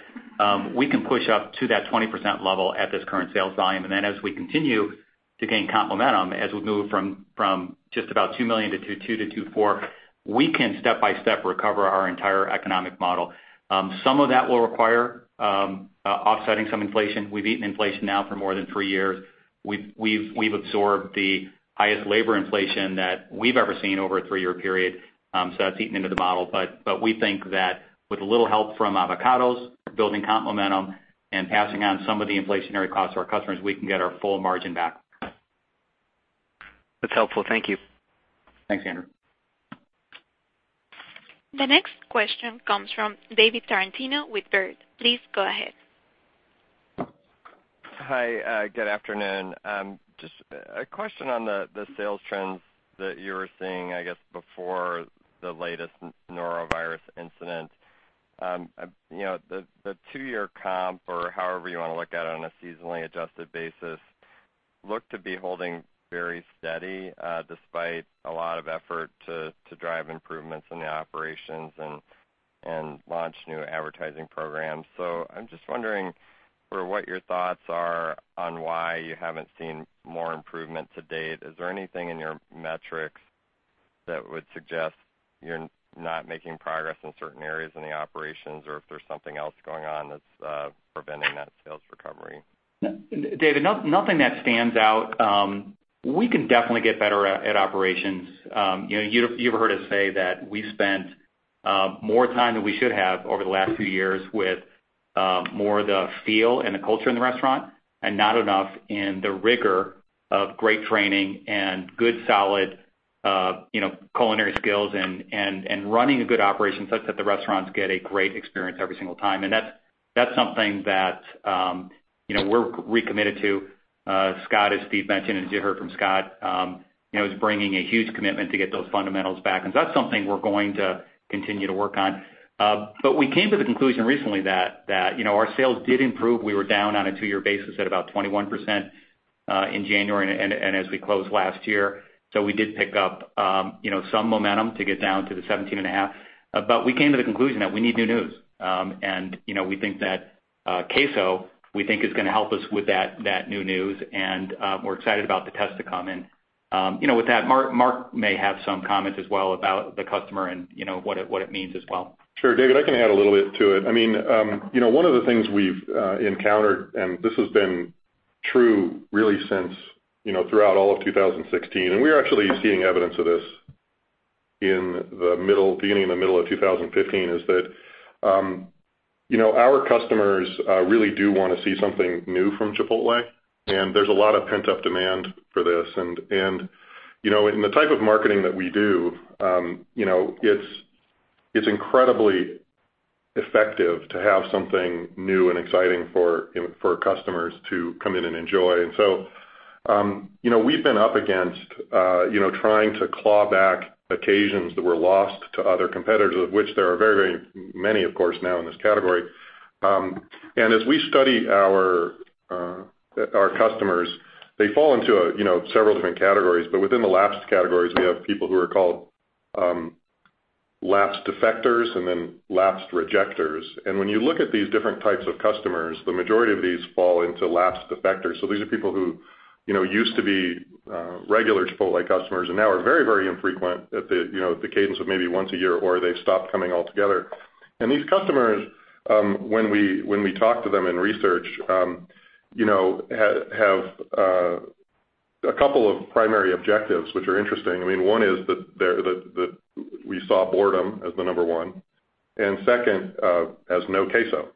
we can push up to that 20% level at this current sales volume. As we continue to gain comp momentum, as we move from just about $2 million to $2 million-$4 million, we can step by step recover our entire economic model. Some of that will require offsetting some inflation. We have eaten inflation now for more than three years. We've absorbed the highest labor inflation that we've ever seen over a three-year period. That's eating into the model. We think that with a little help from avocados, building comp momentum, and passing on some of the inflationary costs to our customers, we can get our full margin back. That's helpful. Thank you. Thanks, Andrew. The next question comes from David Tarantino with Baird. Please go ahead. Hi, good afternoon. Just a question on the sales trends that you were seeing, I guess, before the latest norovirus incident. The two-year comp or however you want to look at it on a seasonally adjusted basis, looked to be holding very steady despite a lot of effort to drive improvements in the operations and launch new advertising programs. I'm just wondering sort of what your thoughts are on why you haven't seen more improvement to date. Is there anything in your metrics that would suggest you're not making progress in certain areas in the operations or if there's something else going on that's preventing that sales recovery? David, nothing that stands out. We can definitely get better at operations. You've heard us say that we spent more time than we should have over the last few years with more of the feel and the culture in the restaurant, and not enough in the rigor of great training and good, solid, culinary skills and running a good operation such that the restaurants get a great experience every single time. That's something that we're recommitted to. Scott, as Steve mentioned, as you heard from Scott, is bringing a huge commitment to get those fundamentals back. That's something we're going to continue to work on. We came to the conclusion recently that our sales did improve. We were down on a two-year basis at about 21% in January and as we closed last year. We did pick up some momentum to get down to the 17 and a half. We came to the conclusion that we need new news. We think that Queso, we think is going to help us with that new news, and we're excited about the tests to come. With that, Mark may have some comments as well about the customer and what it means as well. Sure, David, I can add a little bit to it. One of the things we've encountered, and this has been true really since throughout all of 2016, and we're actually seeing evidence of this beginning in the middle of 2015, is that our customers really do want to see something new from Chipotle, and there's a lot of pent-up demand for this. In the type of marketing that we do, it's incredibly effective to have something new and exciting for customers to come in and enjoy. We've been up against trying to claw back occasions that were lost to other competitors, of which there are very many, of course, now in this category. As we study our customers, they fall into several different categories. Within the lapsed categories, we have people who are called lapsed defectors and then lapsed rejecters. When you look at these different types of customers, the majority of these fall into lapsed defectors. These are people who used to be regular Chipotle customers and now are very infrequent at the cadence of maybe once a year, or they've stopped coming altogether. These customers, when we talk to them in research, have a couple of primary objectives which are interesting. One is that we saw boredom as the number one, and second as no Queso.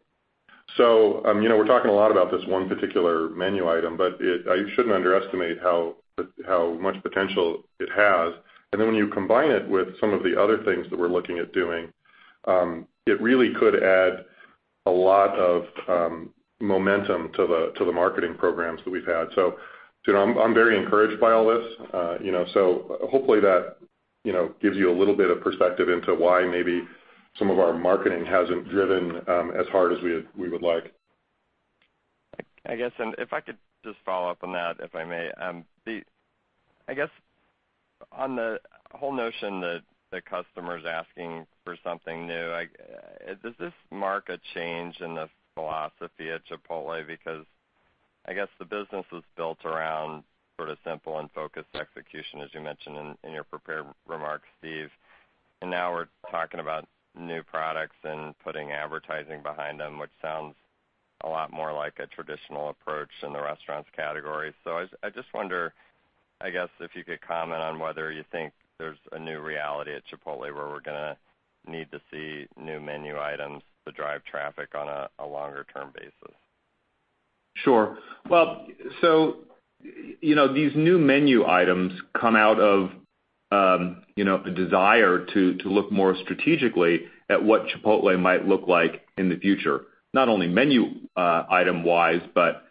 We're talking a lot about this one particular menu item, but I shouldn't underestimate how much potential it has. When you combine it with some of the other things that we're looking at doing, it really could add a lot of momentum to the marketing programs that we've had. I'm very encouraged by all this. Hopefully that gives you a little bit of perspective into why maybe some of our marketing hasn't driven as hard as we would like. I guess, if I could just follow up on that, if I may. I guess on the whole notion that the customer's asking for something new, does this mark a change in the philosophy at Chipotle? I guess the business was built around sort of simple and focused execution, as you mentioned in your prepared remarks, Steve. Now we're talking about new products and putting advertising behind them, which sounds a lot more like a traditional approach in the restaurants category. I just wonder, I guess, if you could comment on whether you think there's a new reality at Chipotle where we're going to need to see new menu items to drive traffic on a longer-term basis. Sure. Well, these new menu items come out of the desire to look more strategically at what Chipotle might look like in the future. Not only menu item wise, but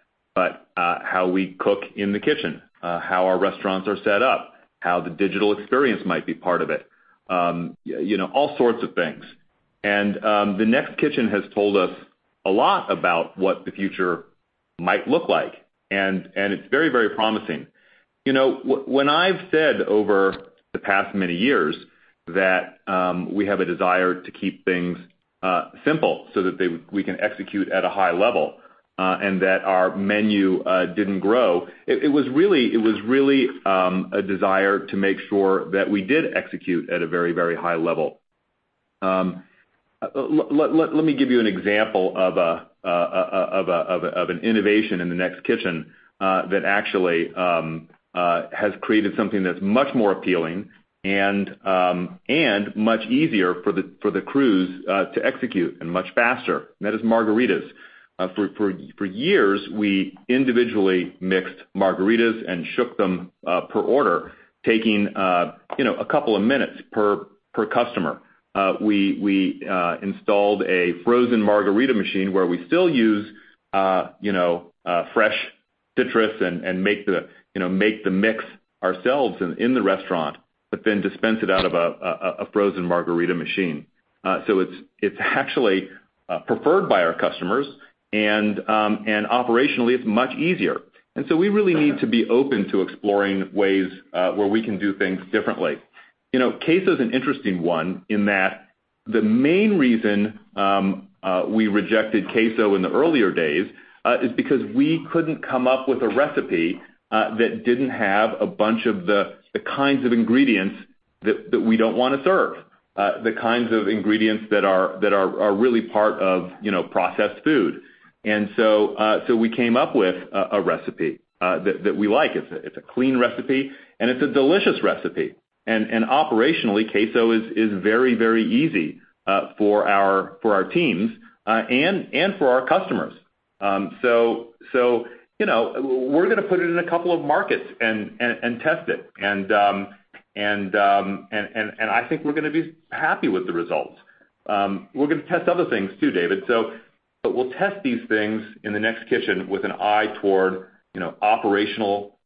how we cook in the kitchen, how our restaurants are set up, how the digital experience might be part of it. All sorts of things. The Next Kitchen has told us a lot about what the future might look like, and it's very promising. When I've said over the past many years that we have a desire to keep things simple so that we can execute at a high level, and that our menu didn't grow, it was really a desire to make sure that we did execute at a very high level. Let me give you an example of an innovation in the Next Kitchen, that actually has created something that's much more appealing and much easier for the crews to execute and much faster. That is Margaritas. For years, we individually mixed Margaritas and shook them per order, taking a couple of minutes per customer. We installed a frozen Margarita machine where we still use fresh citrus and make the mix ourselves in the restaurant, then dispense it out of a frozen Margarita machine. It's actually preferred by our customers, and operationally, it's much easier. We really need to be open to exploring ways where we can do things differently. Queso is an interesting one in that the main reason we rejected Queso in the earlier days is because we couldn't come up with a recipe that didn't have a bunch of the kinds of ingredients that we don't want to serve, the kinds of ingredients that are really part of processed food. We came up with a recipe that we like. It's a clean recipe, and it's a delicious recipe. Operationally, Queso is very easy for our teams and for our customers. We're going to put it in a couple of markets and test it. I think we're going to be happy with the results. We're going to test other things too, David. We'll test these things in the Next Kitchen with an eye toward operational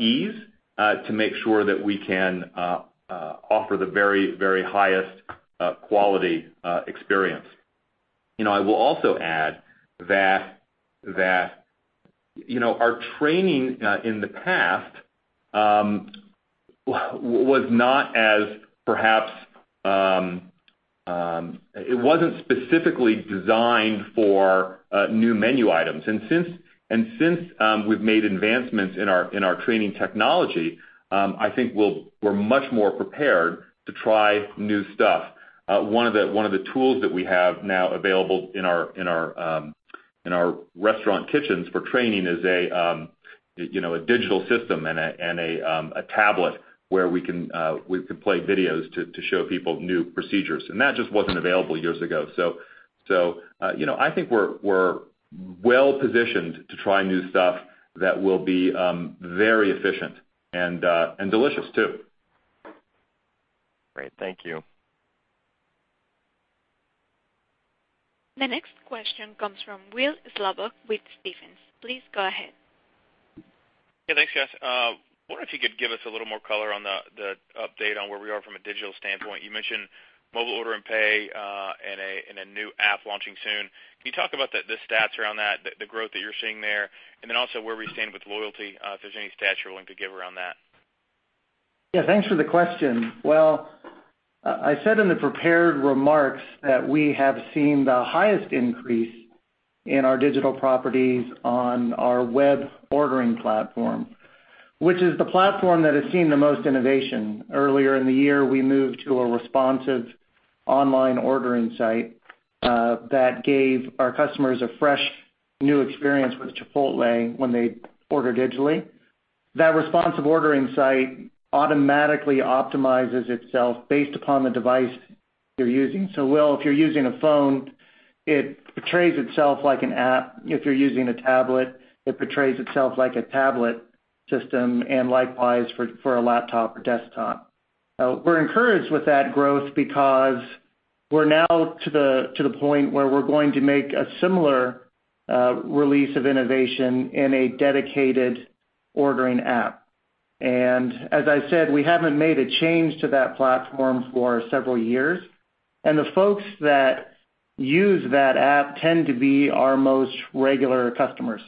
ease to make sure that we can offer the very highest quality experience. I will also add that our training in the past was not as it wasn't specifically designed for new menu items. Since we've made advancements in our training technology, I think we're much more prepared to try new stuff. One of the tools that we have now available in our restaurant kitchens for training is a digital system and a tablet where we can play videos to show people new procedures. That just wasn't available years ago. I think we're well-positioned to try new stuff that will be very efficient and delicious too. Great. Thank you. The next question comes from Will Slabaugh with Stephens. Please go ahead. Yeah, thanks guys. Wonder if you could give us a little more color on the update on where we are from a digital standpoint. You mentioned mobile order and pay and a new app launching soon. Can you talk about the stats around that, the growth that you're seeing there, and then also where we stand with loyalty, if there's any stats you're willing to give around that? Yeah, thanks for the question. Well, I said in the prepared remarks that we have seen the highest increase in our digital properties on our web ordering platform, which is the platform that has seen the most innovation. Earlier in the year, we moved to a responsive online ordering site that gave our customers a fresh new experience with Chipotle when they order digitally. That responsive ordering site automatically optimizes itself based upon the device you're using. Will, if you're using a phone, it portrays itself like an app. If you're using a tablet, it portrays itself like a tablet system, and likewise for a laptop or desktop. We're encouraged with that growth because we're now to the point where we're going to make a similar release of innovation in a dedicated ordering app. As I said, we haven't made a change to that platform for several years. The folks that use that app tend to be our most regular customers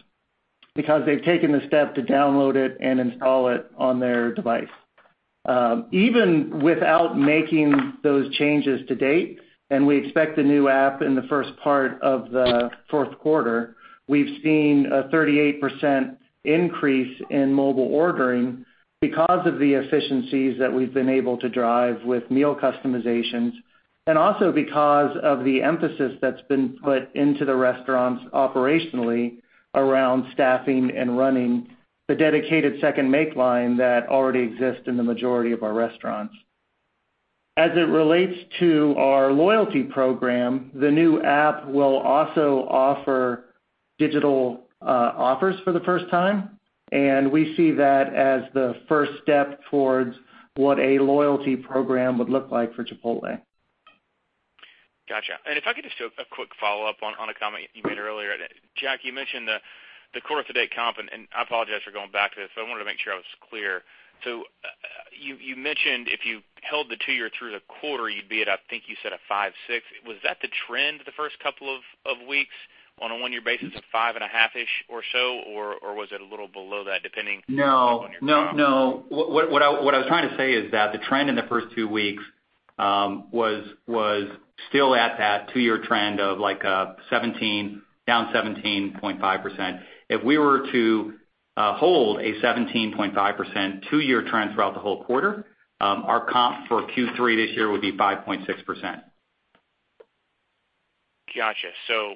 because they've taken the step to download it and install it on their device. Even without making those changes to date, and we expect the new app in the first part of the fourth quarter, we've seen a 38% increase in mobile ordering because of the efficiencies that we've been able to drive with meal customizations, and also because of the emphasis that's been put into the restaurants operationally around staffing and running the dedicated second make line that already exists in the majority of our restaurants. As it relates to our loyalty program, the new app will also offer digital offers for the first time, and we see that as the first step towards what a loyalty program would look like for Chipotle. Got you. If I could just do a quick follow-up on a comment you made earlier. Jack, you mentioned the quarter-to-date comp, and I apologize for going back to this, but I wanted to make sure I was clear. You mentioned if you held the 2-year through the quarter, you'd be at, I think you said a 5.6. Was that the trend the first couple of weeks on a 1-year basis of 5.5-ish or so? Was it a little below that depending on your comp? No. What I was trying to say is that the trend in the first two weeks was still at that 2-year trend of down 17.5%. If we were to hold a 17.5% 2-year trend throughout the whole quarter, our comp for Q3 this year would be 5.6%. Got you.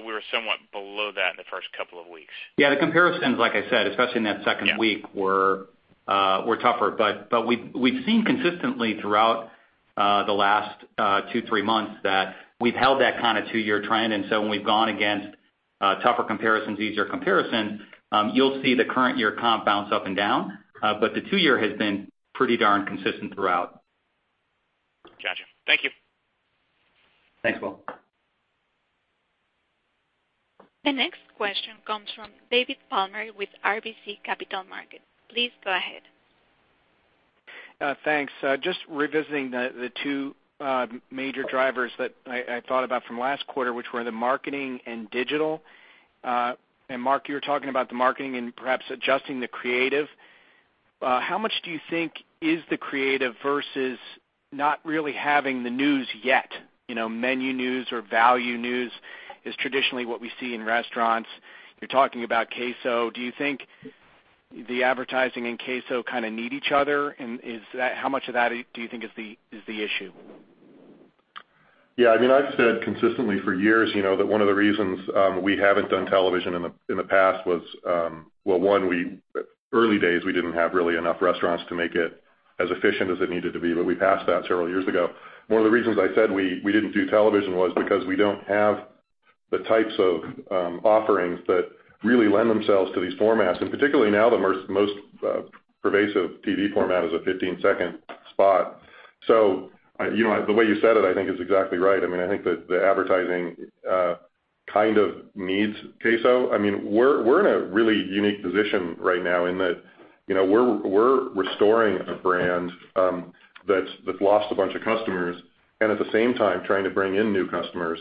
We were somewhat below that in the first couple of weeks. Yeah, the comparisons, like I said, especially in that second week, were tougher. We've seen consistently throughout the last two, three months that we've held that kind of 2-year trend. When we've gone against tougher comparisons, easier comparisons, you'll see the current year comp bounce up and down. The 2-year has been pretty darn consistent throughout. Thank you. Thanks, Will. The next question comes from David Palmer with RBC Capital Markets. Please go ahead. Thanks. Just revisiting the two major drivers that I thought about from last quarter, which were the marketing and digital. Mark, you're talking about the marketing and perhaps adjusting the creative. How much do you think is the creative versus not really having the news yet? Menu news or value news is traditionally what we see in restaurants. You're talking about Queso. Do you think the advertising and Queso kind of need each other? How much of that do you think is the issue? Yeah, I've said consistently for years, that one of the reasons we haven't done television in the past was, well, one, early days, we didn't have really enough restaurants to make it as efficient as it needed to be, but we passed that several years ago. One of the reasons I said we didn't do television was because we don't have the types of offerings that really lend themselves to these formats, and particularly now, the most pervasive TV format is a 15-second spot. The way you said it, I think is exactly right. I think that the advertising kind of needs Queso. We're in a really unique position right now in that we're restoring a brand that's lost a bunch of customers and at the same time trying to bring in new customers.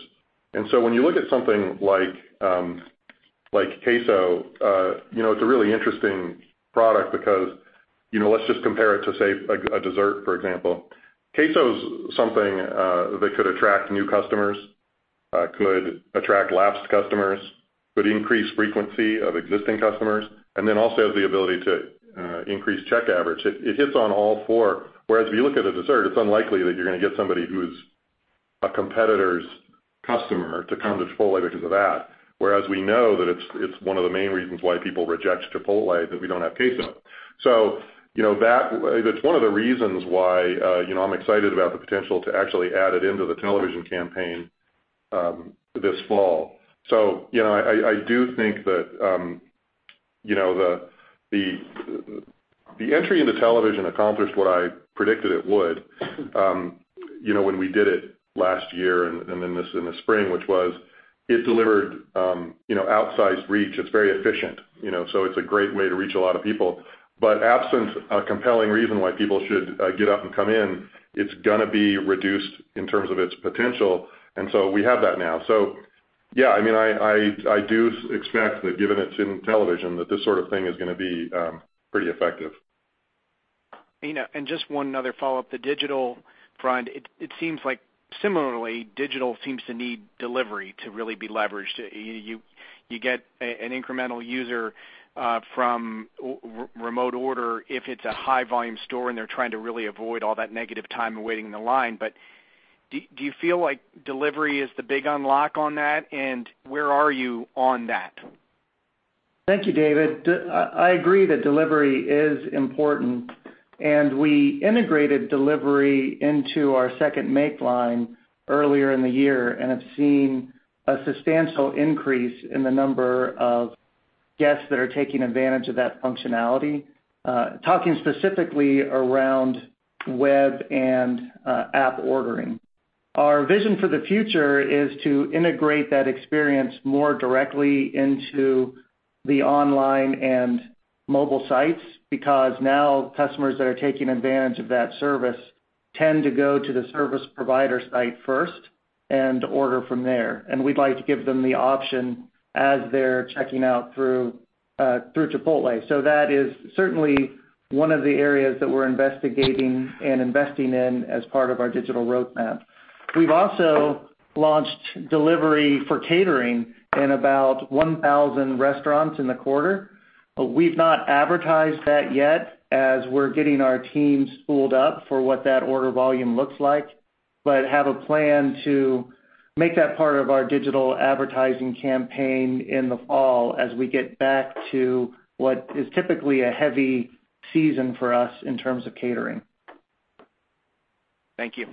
When you look at something like Queso, it's a really interesting product because, let's just compare it to, say, a dessert, for example. Queso is something that could attract new customers, could attract lapsed customers, could increase frequency of existing customers, and then also has the ability to increase check average. It hits on all four. Whereas if you look at a dessert, it's unlikely that you're going to get somebody who's a competitor's customer to come to Chipotle because of that. Whereas we know that it's one of the main reasons why people reject Chipotle, that we don't have Queso. It's one of the reasons why I'm excited about the potential to actually add it into the television campaign this fall. I do think that the entry into television accomplished what I predicted it would when we did it last year and in the spring, which was it delivered outsized reach. It's very efficient. It's a great way to reach a lot of people. Absent a compelling reason why people should get up and come in, it's going to be reduced in terms of its potential, and so we have that now. Yeah, I do expect that given it's in television, that this sort of thing is going to be pretty effective. Just one other follow-up. The digital front, it seems like similarly, digital seems to need delivery to really be leveraged. You get an incremental user from remote order if it's a high volume store and they're trying to really avoid all that negative time of waiting in the line. Do you feel like delivery is the big unlock on that? Where are you on that? Thank you, David. I agree that delivery is important. We integrated delivery into our second make line earlier in the year and have seen a substantial increase in the number of guests that are taking advantage of that functionality. Talking specifically around web and app ordering. Our vision for the future is to integrate that experience more directly into the online and mobile sites. Now customers that are taking advantage of that service tend to go to the service provider site first and order from there. We'd like to give them the option as they're checking out through Chipotle. That is certainly one of the areas that we're investigating and investing in as part of our digital roadmap. We've also launched delivery for catering in about 1,000 restaurants in the quarter. We've not advertised that yet as we're getting our teams schooled up for what that order volume looks like, but have a plan to make that part of our digital advertising campaign in the fall as we get back to what is typically a heavy season for us in terms of catering. Thank you.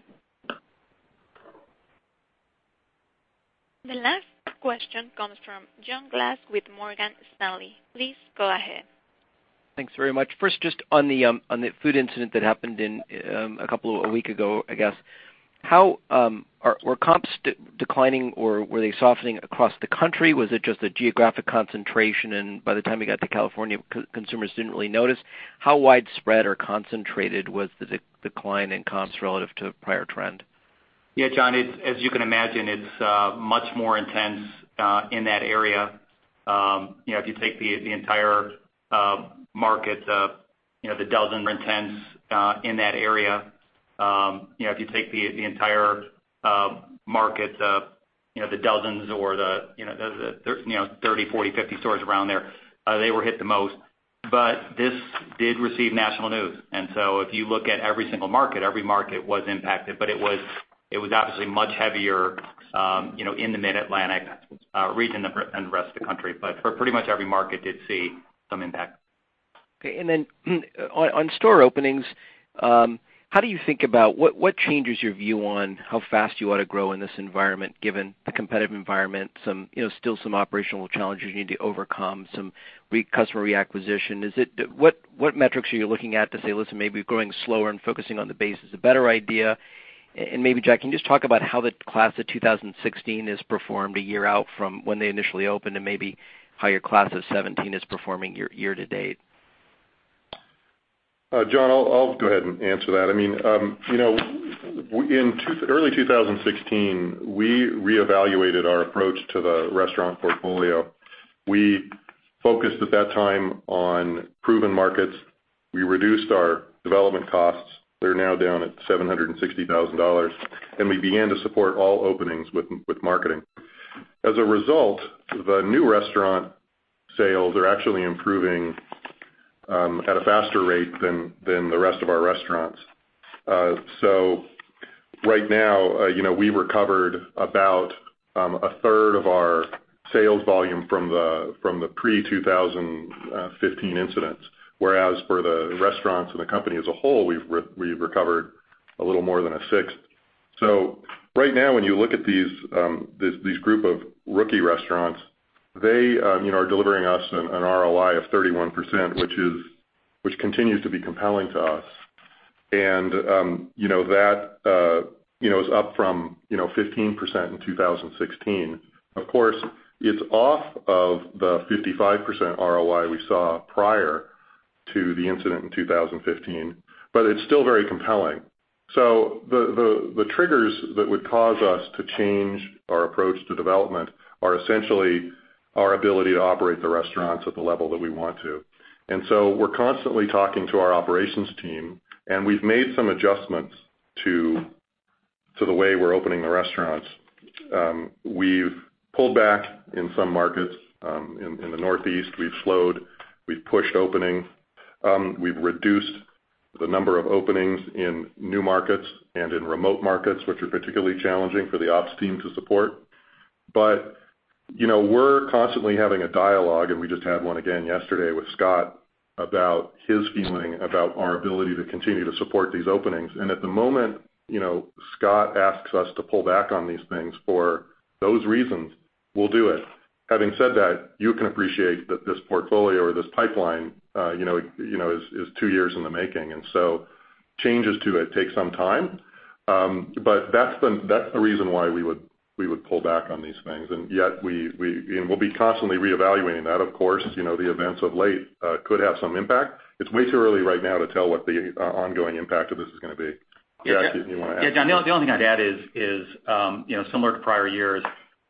The last question comes from John Glass with Morgan Stanley. Please go ahead. Thanks very much. First, just on the food incident that happened a week ago, I guess, were comps declining or were they softening across the country? Was it just a geographic concentration and by the time you got to California, consumers didn't really notice? How widespread or concentrated was the decline in comps relative to prior trend? Yeah, John, as you can imagine, it's much more intense in that area. If you take the entire market, the dozens or the 30, 40, 50 stores around there, they were hit the most. This did receive national news. If you look at every single market, every market was impacted. It was obviously much heavier in the Mid-Atlantic region than the rest of the country. Pretty much every market did see some impact. Okay. On store openings, how do you think about what changes your view on how fast you ought to grow in this environment, given the competitive environment, still some operational challenges you need to overcome, some customer reacquisition? What metrics are you looking at to say, "Listen, maybe growing slower and focusing on the base is a better idea"? Maybe Jack, can you just talk about how the class of 2016 has performed a year out from when they initially opened, and maybe how your class of 2017 is performing year to date? John, I'll go ahead and answer that. In early 2016, we reevaluated our approach to the restaurant portfolio. We focused at that time on proven markets. We reduced our development costs. They're now down at $760,000. We began to support all openings with marketing. As a result, the new restaurant sales are actually improving at a faster rate than the rest of our restaurants. Right now, we recovered about a third of our sales volume from the pre-2015 incidents. Whereas for the restaurants and the company as a whole, we've recovered a little more than a sixth. Right now, when you look at these group of rookie restaurants, they are delivering us an ROI of 31%, which continues to be compelling to us. That is up from 15% in 2016. Of course, it's off of the 55% ROI we saw prior to the incident in 2015, but it's still very compelling. The triggers that would cause us to change our approach to development are essentially our ability to operate the restaurants at the level that we want to. We're constantly talking to our operations team, and we've made some adjustments to the way we're opening the restaurants. We've pulled back in some markets. In the Northeast, we've slowed, we've pushed opening. We've reduced the number of openings in new markets and in remote markets, which are particularly challenging for the ops team to support. We're constantly having a dialogue, and we just had one again yesterday with Scott about his feeling about our ability to continue to support these openings. At the moment, Scott asks us to pull back on these things for those reasons, we'll do it. Having said that, you can appreciate that this portfolio or this pipeline is two years in the making, changes to it take some time. That's the reason why we would pull back on these things. We'll be constantly reevaluating that, of course, as the events of late could have some impact. It's way too early right now to tell what the ongoing impact of this is going to be. Jack, did you want to add? Yeah, John, the only thing I'd add is, similar to prior years,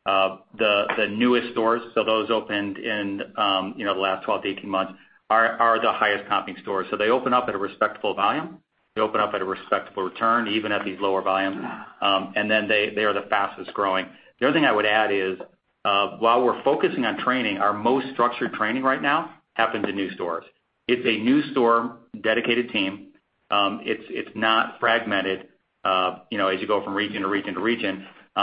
the newest stores, so those opened in the last 12-18 months, are the highest comping stores. They open up at a respectable volume. They open up at a respectable return, even at these lower volumes. They are the fastest-growing. The other thing I would add is, while we're focusing on training, our most structured training right now happens in new stores. It's a new store, dedicated team. It's not fragmented as you go from region to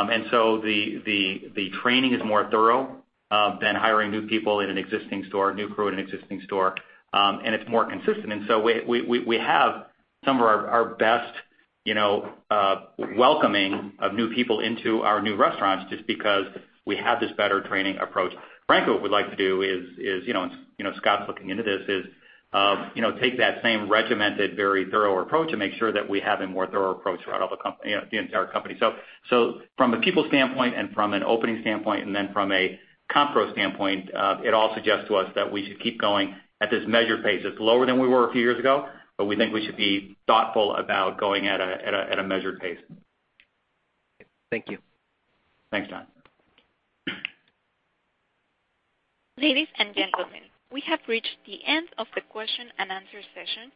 region to region. The training is more thorough than hiring new people in an existing store, new crew in an existing store, and it's more consistent. We have some of our best welcoming of new people into our new restaurants just because we have this better training approach. Frankly, what we'd like to do is, Scott's looking into this, is take that same regimented, very thorough approach and make sure that we have a more thorough approach throughout the entire company. From a people standpoint and from an opening standpoint, from a comp standpoint, it all suggests to us that we should keep going at this measured pace. It's lower than we were a few years ago, we think we should be thoughtful about going at a measured pace. Thank you. Thanks, John. Ladies and gentlemen, we have reached the end of the question and answer session,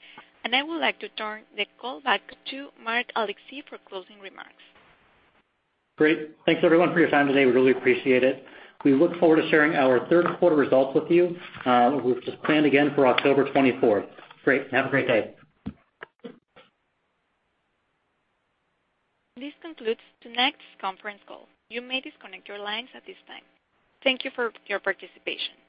and I would like to turn the call back to Mark Alexee for closing remarks. Great. Thanks, everyone, for your time today. We really appreciate it. We look forward to sharing our third quarter results with you, which is planned again for October 24th. Great. Have a great day. This concludes today's conference call. You may disconnect your lines at this time. Thank you for your participation.